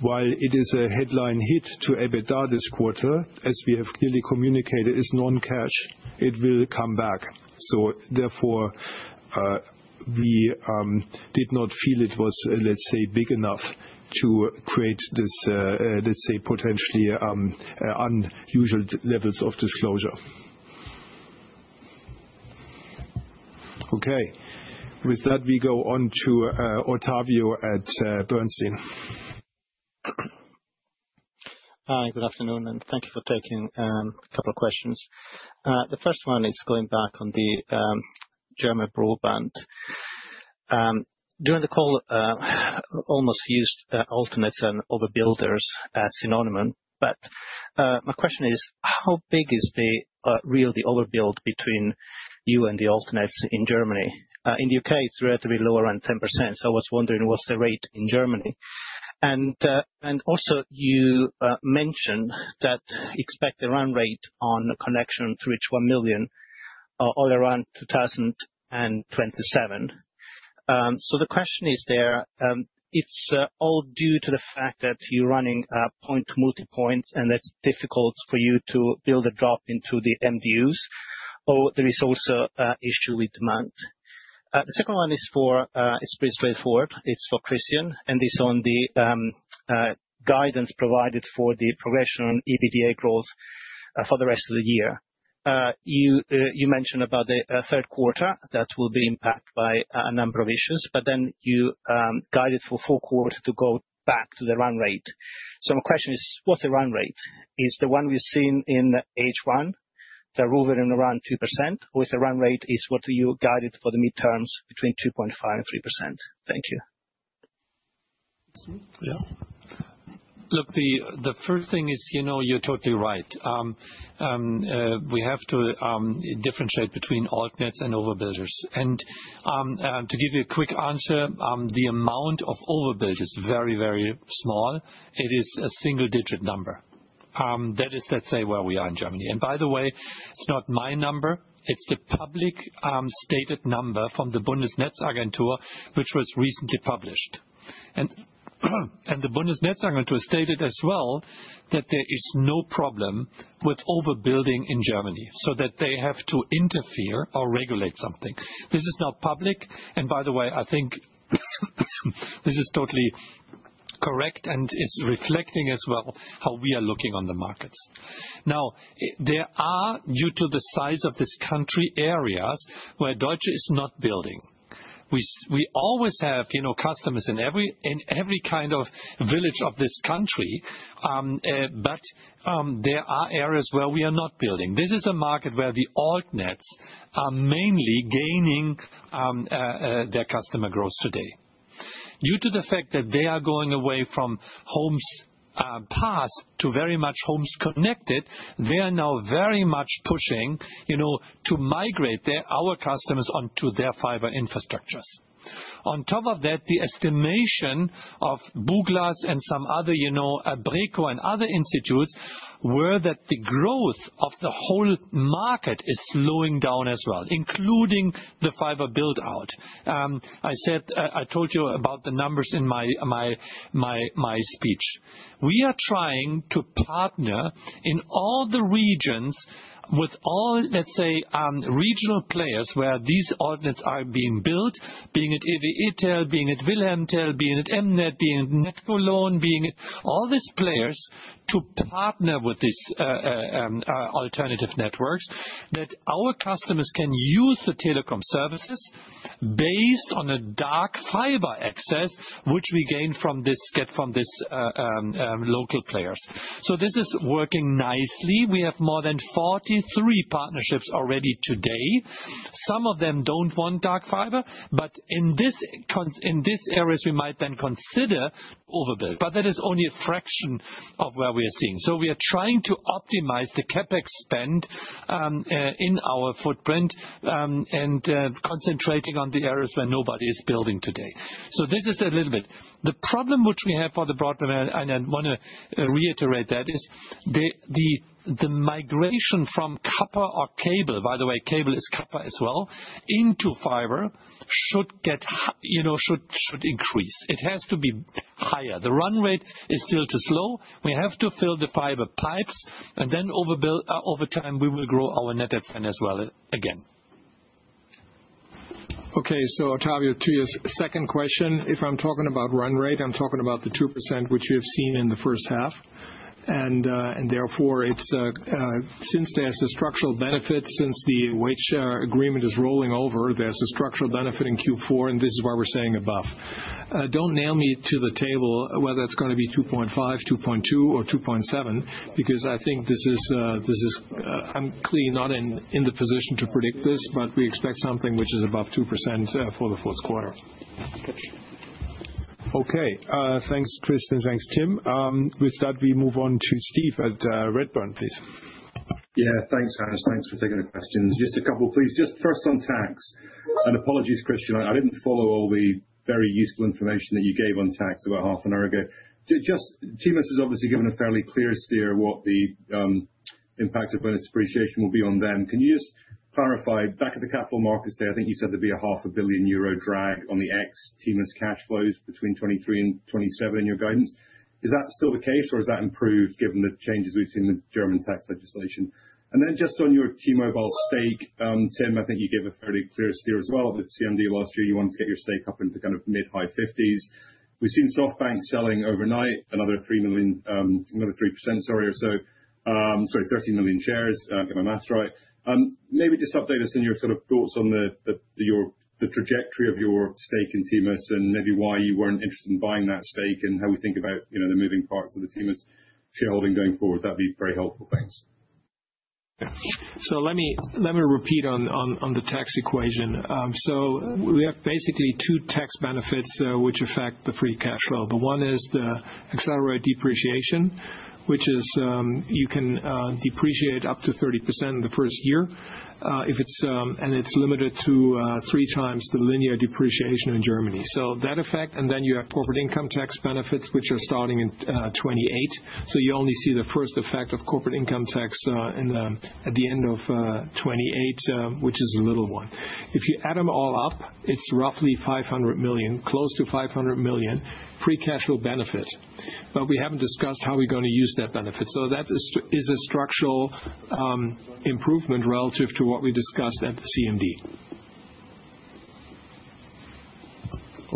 while it is a headline hit to EBITDA this quarter, as we have clearly communicated, it's non-cash. It will come back. Therefore, we did not feel it was, let's say, big enough to create this, let's say, potentially unusual levels of disclosure. Okay. With that, we go on to Ottavio at Bernstein. Good afternoon, and thank you for taking a couple of questions. The first one is going back on the German broadband. During the call, I almost used Altnets and overbuilders as synonyms. My question is, how big is the real overbuild between you and the Altnets in Germany? In the U.K., it's relatively lower than 10%. I was wondering, what's the rate in Germany? You mentioned that you expect the run rate on connection to reach 1 million all around 2027. The question is, is it all due to the fact that you're running point-to-multipoints, and that's difficult for you to build a drop into the MDUs, or is there also an issue with demand? The second one is for Expressway Forward. It's for Christian, and it's on the guidance provided for the progression on EBITDA growth for the rest of the year. You mentioned about the third quarter that will be impacted by a number of issues, but you guided for the fourth quarter to go back to the run rate. My question is, what's the run rate? Is it the one we've seen in H1 that are moving around 2%, or is the run rate what you guided for the midterms between 2.5% and 3%? Thank you. Yeah. Look, the first thing is, you know, you're totally right. We have to differentiate between altnets and overbuilders. To give you a quick answer, the amount of overbuild is very, very small. It is a single-digit number. That is, let's say, where we are in Germany. By the way, it's not my number. It's the public stated number from the Bundesnetzagentur, which was recently published. The Bundesnetzagentur stated as well that there is no problem with overbuilding in Germany so that they have to interfere or regulate something. This is not public. By the way, I think this is totally correct and is reflecting as well how we are looking on the markets. Now, there are, due to the size of this country, areas where Deutsche is not building. We always have customers in every kind of village of this country, but there are areas where we are not building. This is a market where the Altnets are mainly gaining their customer growth today. Due to the fact that they are going away from homes passed to very much homes connected, they are now very much pushing, you know, to migrate our customers onto their fiber infrastructures. On top of that, the estimation of Buglas and some other, you know, Breko and other institutes were that the growth of the whole market is slowing down as well, including the fiber build-out. I said, I told you about the numbers in my speech. We are trying to partner in all the regions with all, let's say, regional players where these Altnets are being built, being at EVI-Tel, being at wilhelm tel, being at MNET, being at NetCologne, being at all these players to partner with these alternative networks that our customers can use the telecom services based on a dark fiber access, which we gain from this, get from these local players. This is working nicely. We have more than 43 partnerships already today. Some of them don't want dark fiber, but in these areas, we might then consider overbuild. That is only a fraction of where we are seeing. We are trying to optimize the CapEx spend in our footprint and concentrating on the areas where nobody is building today. This is a little bit. The problem which we have for the broadband, and I want to reiterate that, is the migration from copper or cable, by the way, cable is copper as well, into fiber should get, you know, should increase. It has to be higher. The run rate is still too slow. We have to fill the fiber pipes, and then over time, we will grow our net asset as well again. Okay. Ottavio, to your second question, if I'm talking about run rate, I'm talking about the 2% which we have seen in the first half. Since there's a structural benefit, since the wage share agreement is rolling over, there's a structural benefit in Q4. This is why we're saying above. Don't nail me to the table whether it's going to be 2.5%, 2.2%, or 2.7% because I think this is, I'm clearly not in the position to predict this, but we expect something which is above 2% for the fourth quarter. Yeah. Okay. Okay. Thanks, Christian. Thanks, Tim. With that, we move on to Steve at Redburn, please. Yeah. Thanks, Hans. Thanks for taking the questions. Just a couple, please. First on tax. Apologies, Christian. I didn't follow all the very useful information that you gave on tax about half an hour ago. Just TMUS has obviously given a fairly clear steer of what the impact of when its depreciation will be on them. Can you just clarify back at the capital markets there, I think you said there'd be a 0.5 billion euro drag on the ex-TMUS cash flows between 2023 and 2027, your guidance. Is that still the case, or has that improved given the changes we've seen in the German tax legislation? Then just on your T-Mobile stake, Tim, I think you gave a fairly clear steer as well at CMD last year, you wanted to get your stake up into kind of mid-high 50%. We've seen SoftBank selling overnight another 3%, sorry, or so, sorry, 13 million shares, get my maths right. Maybe just update us in your thoughts on the trajectory of your stake in TMUS and maybe why you weren't interested in buying that stake and how we think about the moving parts of the TMUS shareholding going forward. That'd be very helpful. Thanks. Yeah. Let me repeat on the tax equation. We have basically two tax benefits, which affect the free cash flow. One is the accelerated depreciation, which is, you can depreciate up to 30% in the first year, and it's limited to three times the linear depreciation in Germany. That effect, and then you have corporate income tax benefits, which are starting in 2028. You only see the first effect of corporate income tax at the end of 2028, which is a little one. If you add them all up, it's roughly $500 million, close to $500 million free cash flow benefits. We haven't discussed how we're going to use that benefit. That is a structural improvement relative to what we discussed at the CMD.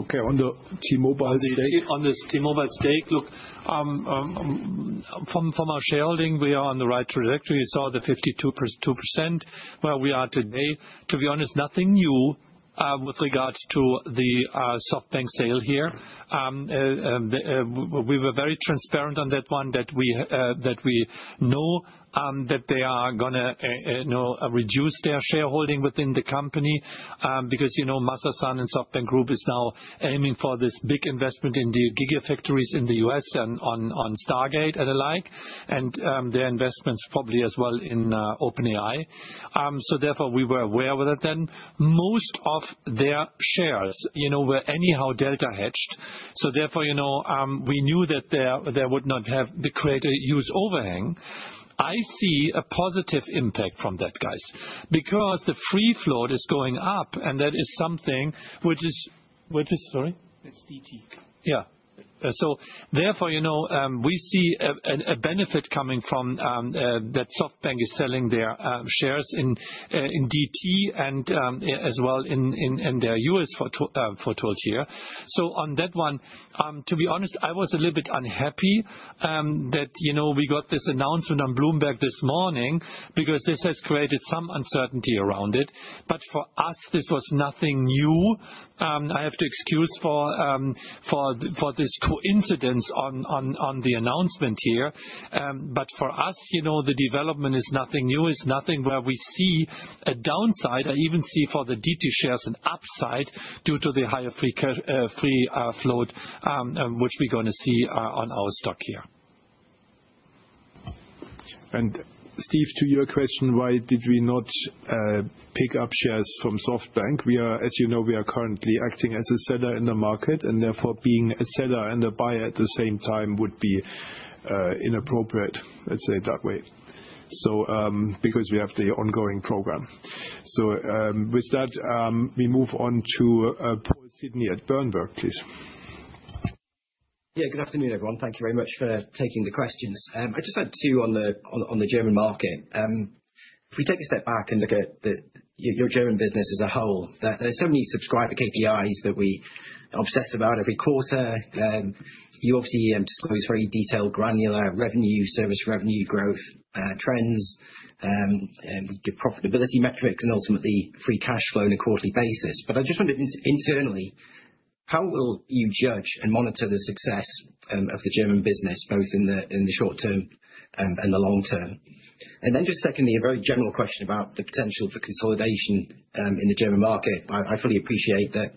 On the T-Mobile stake, look, from our shareholding, we are on the right trajectory. You saw the 52%, where we are today. To be honest, nothing new with regards to the SoftBank sale here. We were very transparent on that one, that we know that they are going to, you know, reduce their shareholding within the company, because, you know, Masayoshi Son and SoftBank Group is now aiming for this big investment in the gigafactories in the U.S. and on Stargate and the like. Their investments probably as well in OpenAI. Therefore, we were aware of that then. Most of their shares were anyhow delta hedged. Therefore, we knew that there would not have been created a huge overhang. I see a positive impact from that, guys, because the free float is going up, and that is something which is, which is, sorry? It's DT. Yeah. Therefore, you know, we see a benefit coming from that SoftBank is selling their shares in DT and as well in their U.S. portfolio here. To be honest, I was a little bit unhappy that, you know, we got this announcement on Bloomberg this morning because this has created some uncertainty around it. For us, this was nothing new. I have to excuse for this coincidence on the announcement here. For us, you know, the development is nothing new. It's nothing where we see a downside. I even see for the DT shares an upside due to the higher free float, which we're going to see on our stock here. Steve, to your question, why did we not pick up shares from SoftBank? We are, as you know, currently acting as a seller in the market, and therefore, being a seller and a buyer at the same time would be inappropriate. Let's say it that way, because we have the ongoing program. With that, we move on to Paul Sidney at Berenberg, please. Good afternoon, everyone. Thank you very much for taking the questions. I just had two on the German market. If we take a step back and look at your German business as a whole, there are so many subscriber KPIs that we obsess about every quarter. You obviously disclose very detailed, granular revenue, service revenue growth trends, and your profitability metrics, and ultimately, free cash flow on a quarterly basis. I just wondered, incidentally, how will you judge and monitor the success of the German business both in the short term and the long term? Secondly, a very general question about the potential for consolidation in the German market. I fully appreciate that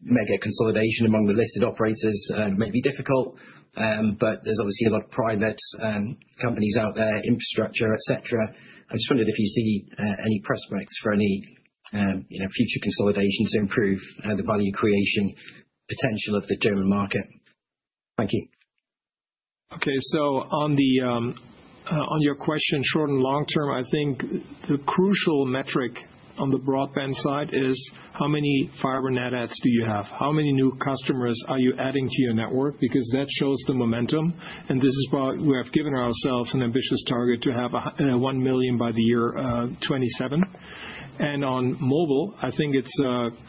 mega consolidation among the listed operators may be difficult. There are obviously a lot of private companies out there, infrastructure, etc. I just wondered if you see any prospects for any future consolidation to improve the value creation potential of the German market. Thank you. Okay. On your question, short and long term, I think the crucial metric on the broadband side is how many fiber net adds do you have? How many new customers are you adding to your network? That shows the momentum. This is why we have given ourselves an ambitious target to have 1 million by the year 2027. On mobile, I think it's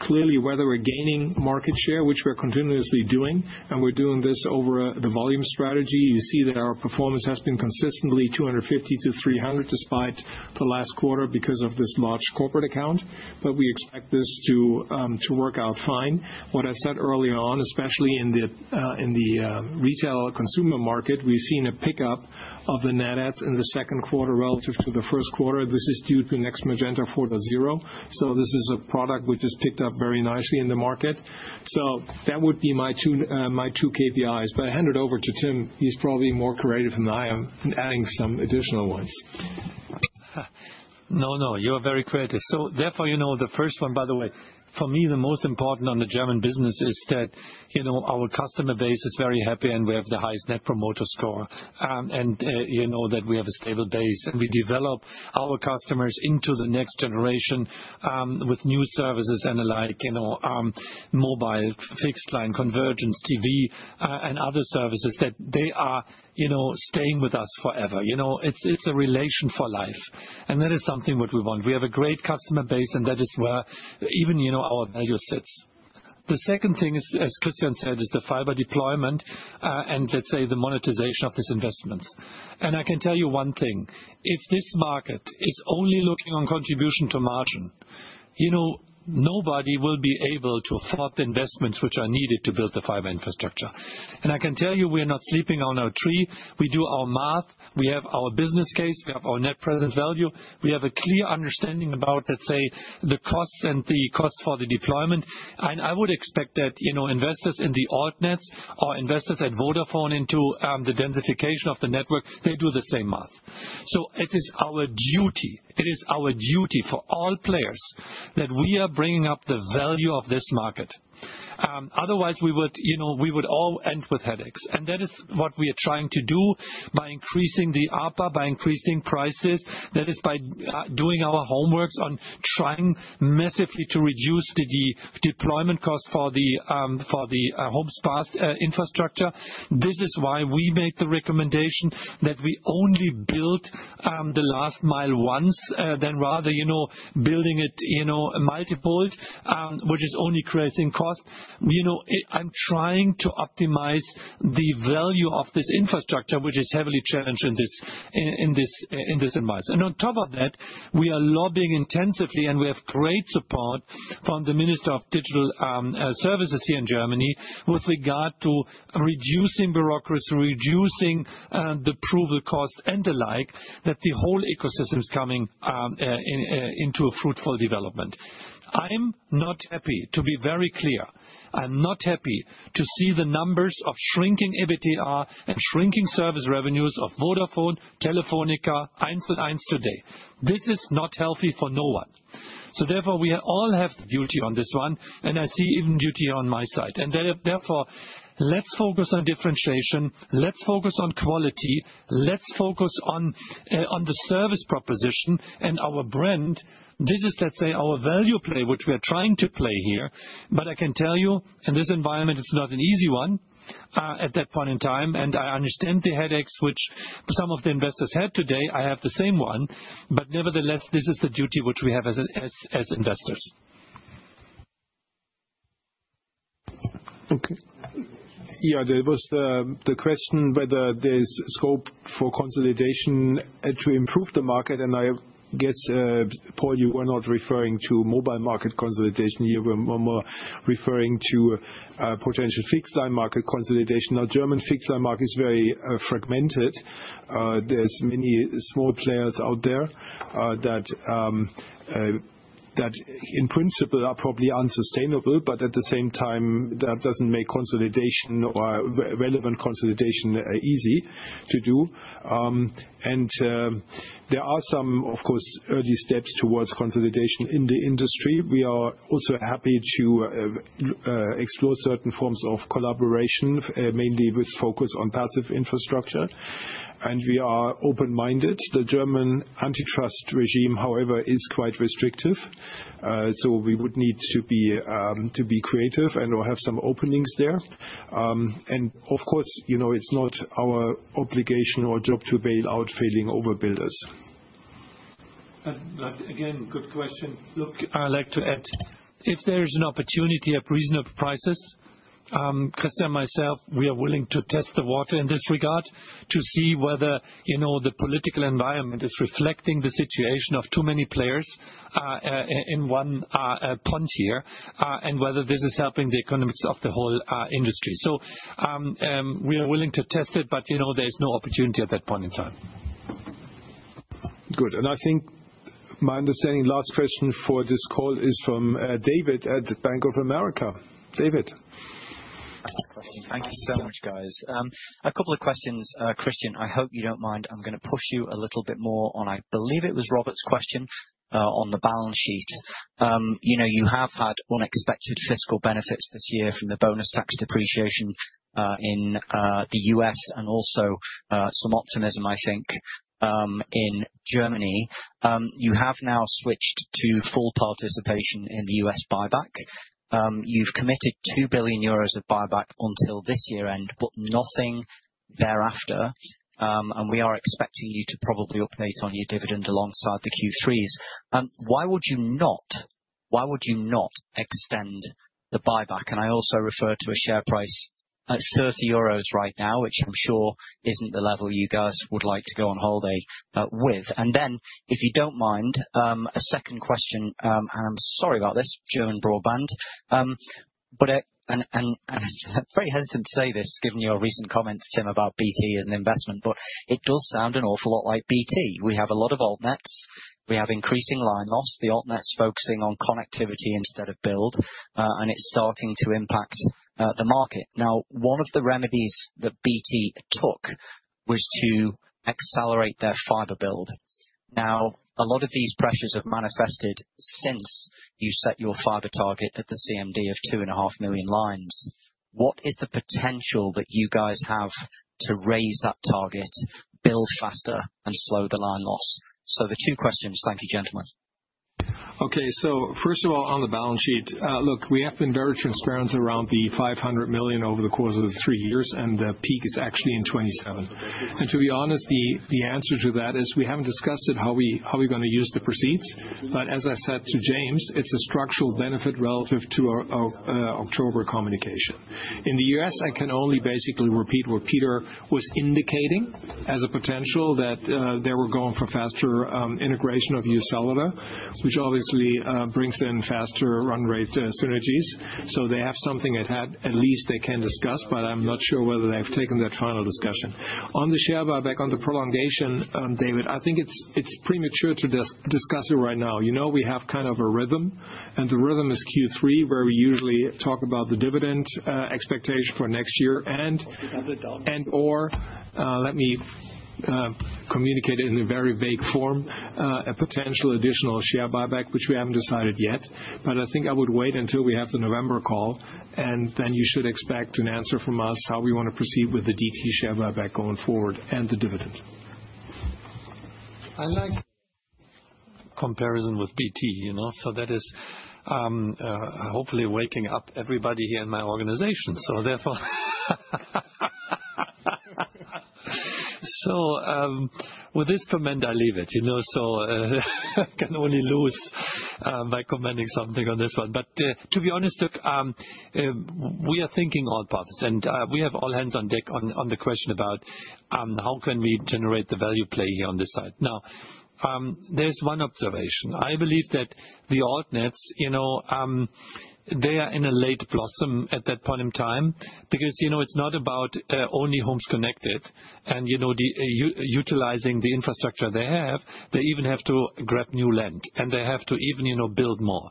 clearly whether we're gaining market share, which we're continuously doing, and we're doing this over the volume strategy. You see that our performance has been consistently 250-300 despite the last quarter because of this large corporate account. We expect this to work out fine. What I said early on, especially in the retail consumer market, we've seen a pickup of the net adds in the second quarter relative to the first quarter. This is due to Next Magenta 4.0. This is a product which has picked up very nicely in the market. That would be my two KPIs. I hand it over to Tim. He's probably more creative than I am in adding some additional ones. No, no. You are very creative. The first one, by the way, for me, the most important on the German business is that our customer base is very happy, and we have the highest net promoter score, and that we have a stable base. We develop our customers into the next generation with new services and the like, mobile, fixed line, convergence, TV, and other services that they are staying with us forever. It's a relation for life. That is something that we want. We have a great customer base, and that is where even our value sits. The second thing is, as Christian Illek said, is the fiber deployment, and the monetization of these investments. I can tell you one thing. If this market is only looking on contribution to margin, nobody will be able to fund investments which are needed to build the fiber infrastructure. I can tell you we're not sleeping on our tree. We do our math. We have our business case. We have our net present value. We have a clear understanding about the costs and the costs for the deployment. I would expect that investors in the Altnets or investors at Vodafone into the densification of the network, they do the same math. It is our duty, it is our duty for all players that we are bringing up the value of this market. Otherwise, we would all end with headaches. That is what we are trying to do by increasing the ARPA, by increasing prices. That is by doing our homework on trying massively to reduce the deployment cost for the home spa's infrastructure. This is why we make the recommendation that we only build the last mile once, rather than building it multiple times, which is only creating cost. I'm trying to optimize the value of this infrastructure, which is heavily challenged in this demise. On top of that, we are lobbying intensively, and we have great support from the Minister of Digital Services here in Germany with regard to reducing bureaucracy, reducing the approval cost and the like, so that the whole ecosystem's coming into a fruitful development. I'm not happy, to be very clear, I'm not happy to see the numbers of shrinking EBITDA and shrinking service revenues of Vodafone, Telefónica, [eins and eins] today. This is not healthy for anyone. Therefore, we all have duty on this one, and I see even duty on my side. Therefore, let's focus on differentiation. Let's focus on quality. Let's focus on the service proposition and our brand. This is our value play which we are trying to play here. I can tell you, in this environment, it's not an easy one at that point in time. I understand the headaches which some of the investors had today. I have the same one. Nevertheless, this is the duty which we have as investors. Okay. Yeah. There was the question whether there's scope for consolidation to improve the market. I guess, Paul, you were not referring to mobile market consolidation. You were more referring to potential fixed line market consolidation. Now, the German fixed line market is very fragmented. There's many small players out there that in principle are probably unsustainable, but at the same time, that doesn't make consolidation or relevant consolidation easy to do. There are some, of course, early steps towards consolidation in the industry. We are also happy to explore certain forms of collaboration, mainly with focus on passive infrastructure. We are open-minded. The German antitrust regime, however, is quite restrictive, so we would need to be creative and/or have some openings there. Of course, you know, it's not our obligation or job to bail out failing overbuilders. Good question. I like to add, if there is an opportunity at reasonable prices, Christian and myself, we are willing to test the water in this regard to see whether, you know, the political environment is reflecting the situation of too many players in one pond here, and whether this is helping the economics of the whole industry. We are willing to test it, but, you know, there's no opportunity at that point in time. Good. I think my understanding, last question for this call is from David at Bank of America. David. Thank you so much, guys. A couple of questions, Christian. I hope you don't mind. I'm going to push you a little bit more on, I believe it was Robert's question, on the balance sheet. You know, you have had unexpected fiscal benefits this year from the bonus tax depreciation, in the U.S. and also, some optimism, I think, in Germany. You have now switched to full participation in the U.S. buyback. You've committed 2 billion euros of buyback until this year end, but nothing thereafter. We are expecting you to probably update on your dividend alongside the Q3s. Why would you not, why would you not extend the buyback? I also refer to a share price of 30 euros right now, which I'm sure isn't the level you guys would like to go on holiday with. If you don't mind, a second question, and I'm sorry about this, German broadband. I'm very hesitant to say this given your recent comments, Tim, about BT as an investment, but it does sound an awful lot like BT. We have a lot of Altnets. We have increasing line loss. The Altnets focusing on connectivity instead of build, and it's starting to impact the market. One of the remedies that BT took was to accelerate their fiber build. A lot of these pressures have manifested since you set your fiber target at the CMD of 2.5 million lines. What is the potential that you guys have to raise that target, build faster, and slow the line loss? So the two questions. Thank you, gentlemen. Okay. First of all, on the balance sheet, look, we have ensured transparency around the $500 million over the course of the three years, and the peak is actually in 2027. To be honest, the answer to that is we haven't discussed it, how we, how we're going to use the proceeds. As I said to James, it's a structural benefit relative to our October communication. In the U.S., I can only basically repeat what Peter was indicating as a potential, that they were going for faster integration of UScellular, which obviously brings in faster run rate synergies. They have something at hand at least they can discuss, but I'm not sure whether they've taken that final discussion. On the share buyback, on the prolongation, David, I think it's premature to just discuss it right now. You know, we have kind of a rhythm, and the rhythm is Q3 where we usually talk about the dividend expectation for next year and, and/or, let me communicate in a very vague form, a potential additional share buyback, which we haven't decided yet. I think I would wait until we have the November call, and then you should expect an answer from us how we want to proceed with the DT share buyback going forward and the dividend. I like comparison with BT, you know. That is, hopefully, waking up everybody here in my organization. With this comment, I leave it, you know. I can only lose by commending something on this one. To be honest, look, we are thinking all paths. We have all hands on deck on the question about how can we generate the value play here on this side. Now, there's one observation. I believe that the Altnets, you know, they are in a late blossom at that point in time because, you know, it's not about only homes connected and, you know, utilizing the infrastructure they have. They even have to grab new land, and they have to even, you know, build more.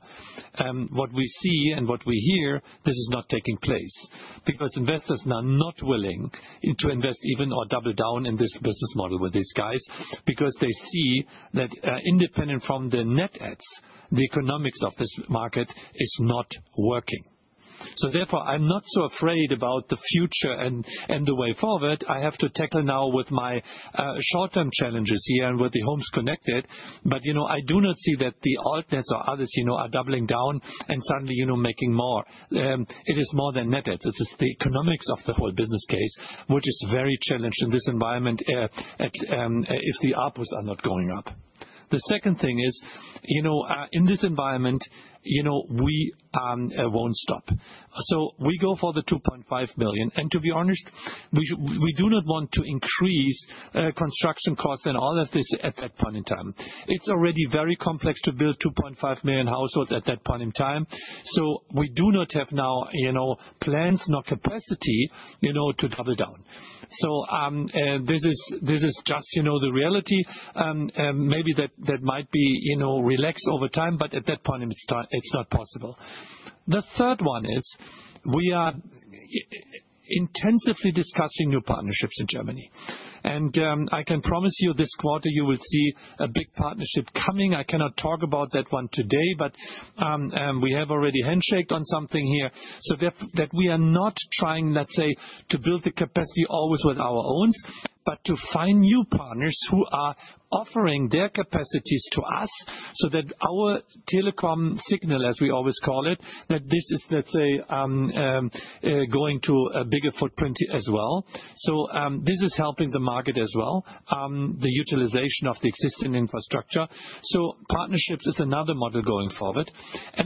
What we see and what we hear, this is not taking place because investors are not willing to invest even or double down in this business model with these guys because they see that, independent from the net adds, the economics of this market is not working. Therefore, I'm not so afraid about the future and the way forward. I have to tackle now with my short-term challenges here and with the homes connected. You know, I do not see that the Altnets or others, you know, are doubling down and suddenly, you know, making more. It is more than net adds. It is the economics of the whole business case, which is very challenged in this environment, if the ARPAs are not going up. The second thing is, you know, in this environment, we won't stop. We go for the $2.5 billion. To be honest, we do not want to increase construction costs and all of this at that point in time. It's already very complex to build 2.5 million households at that point in time. We do not have now, you know, plans nor capacity, you know, to double down. This is just, you know, the reality. Maybe that might be, you know, relaxed over time, but at that point in time, it's not possible. The third one is we are intensively discussing new partnerships in Germany. I can promise you this quarter, you will see a big partnership coming. I cannot talk about that one today, but we have already handshaked on something here. We are not trying, let's say, to build the capacity always with our own, but to find new partners who are offering their capacities to us so that our telecom signal, as we always call it, that this is, let's say, going to a bigger footprint as well. This is helping the market as well, the utilization of the existing infrastructure. Partnerships is another model going forward.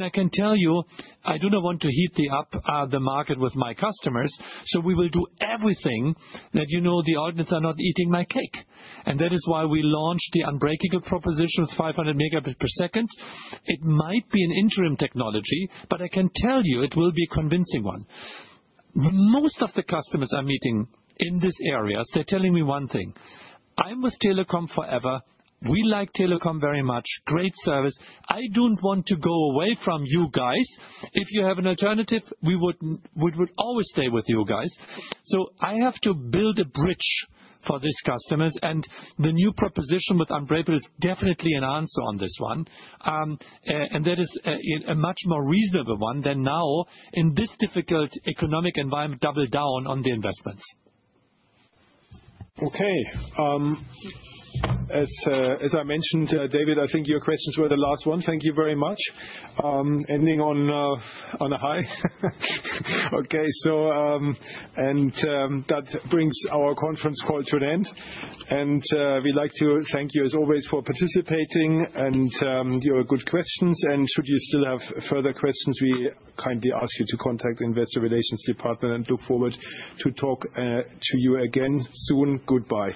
I can tell you, I do not want to heat up the market with my customers. We will do everything that, you know, the audience are not eating my cake. That is why we launched the Unbreakable proposition of 500 Mbps. It might be an interim technology, but I can tell you it will be a convincing one. Most of the customers I'm meeting in this area, they're telling me one thing. I'm with Telekom forever. We like Telekom very much. Great service. I don't want to go away from you guys. If you have an alternative, we would always stay with you guys. I have to build a bridge for these customers. The new proposition with Unbreakable is definitely an answer on this one, and that is a much more reasonable one than now in this difficult economic environment, double down on the investments. As I mentioned, David, I think your questions were the last one. Thank you very much, ending on a high. That brings our conference call to an end. We'd like to thank you, as always, for participating and your good questions. Should you still have further questions, we kindly ask you to contact the investor relations department. We look forward to talk to you again soon. Goodbye.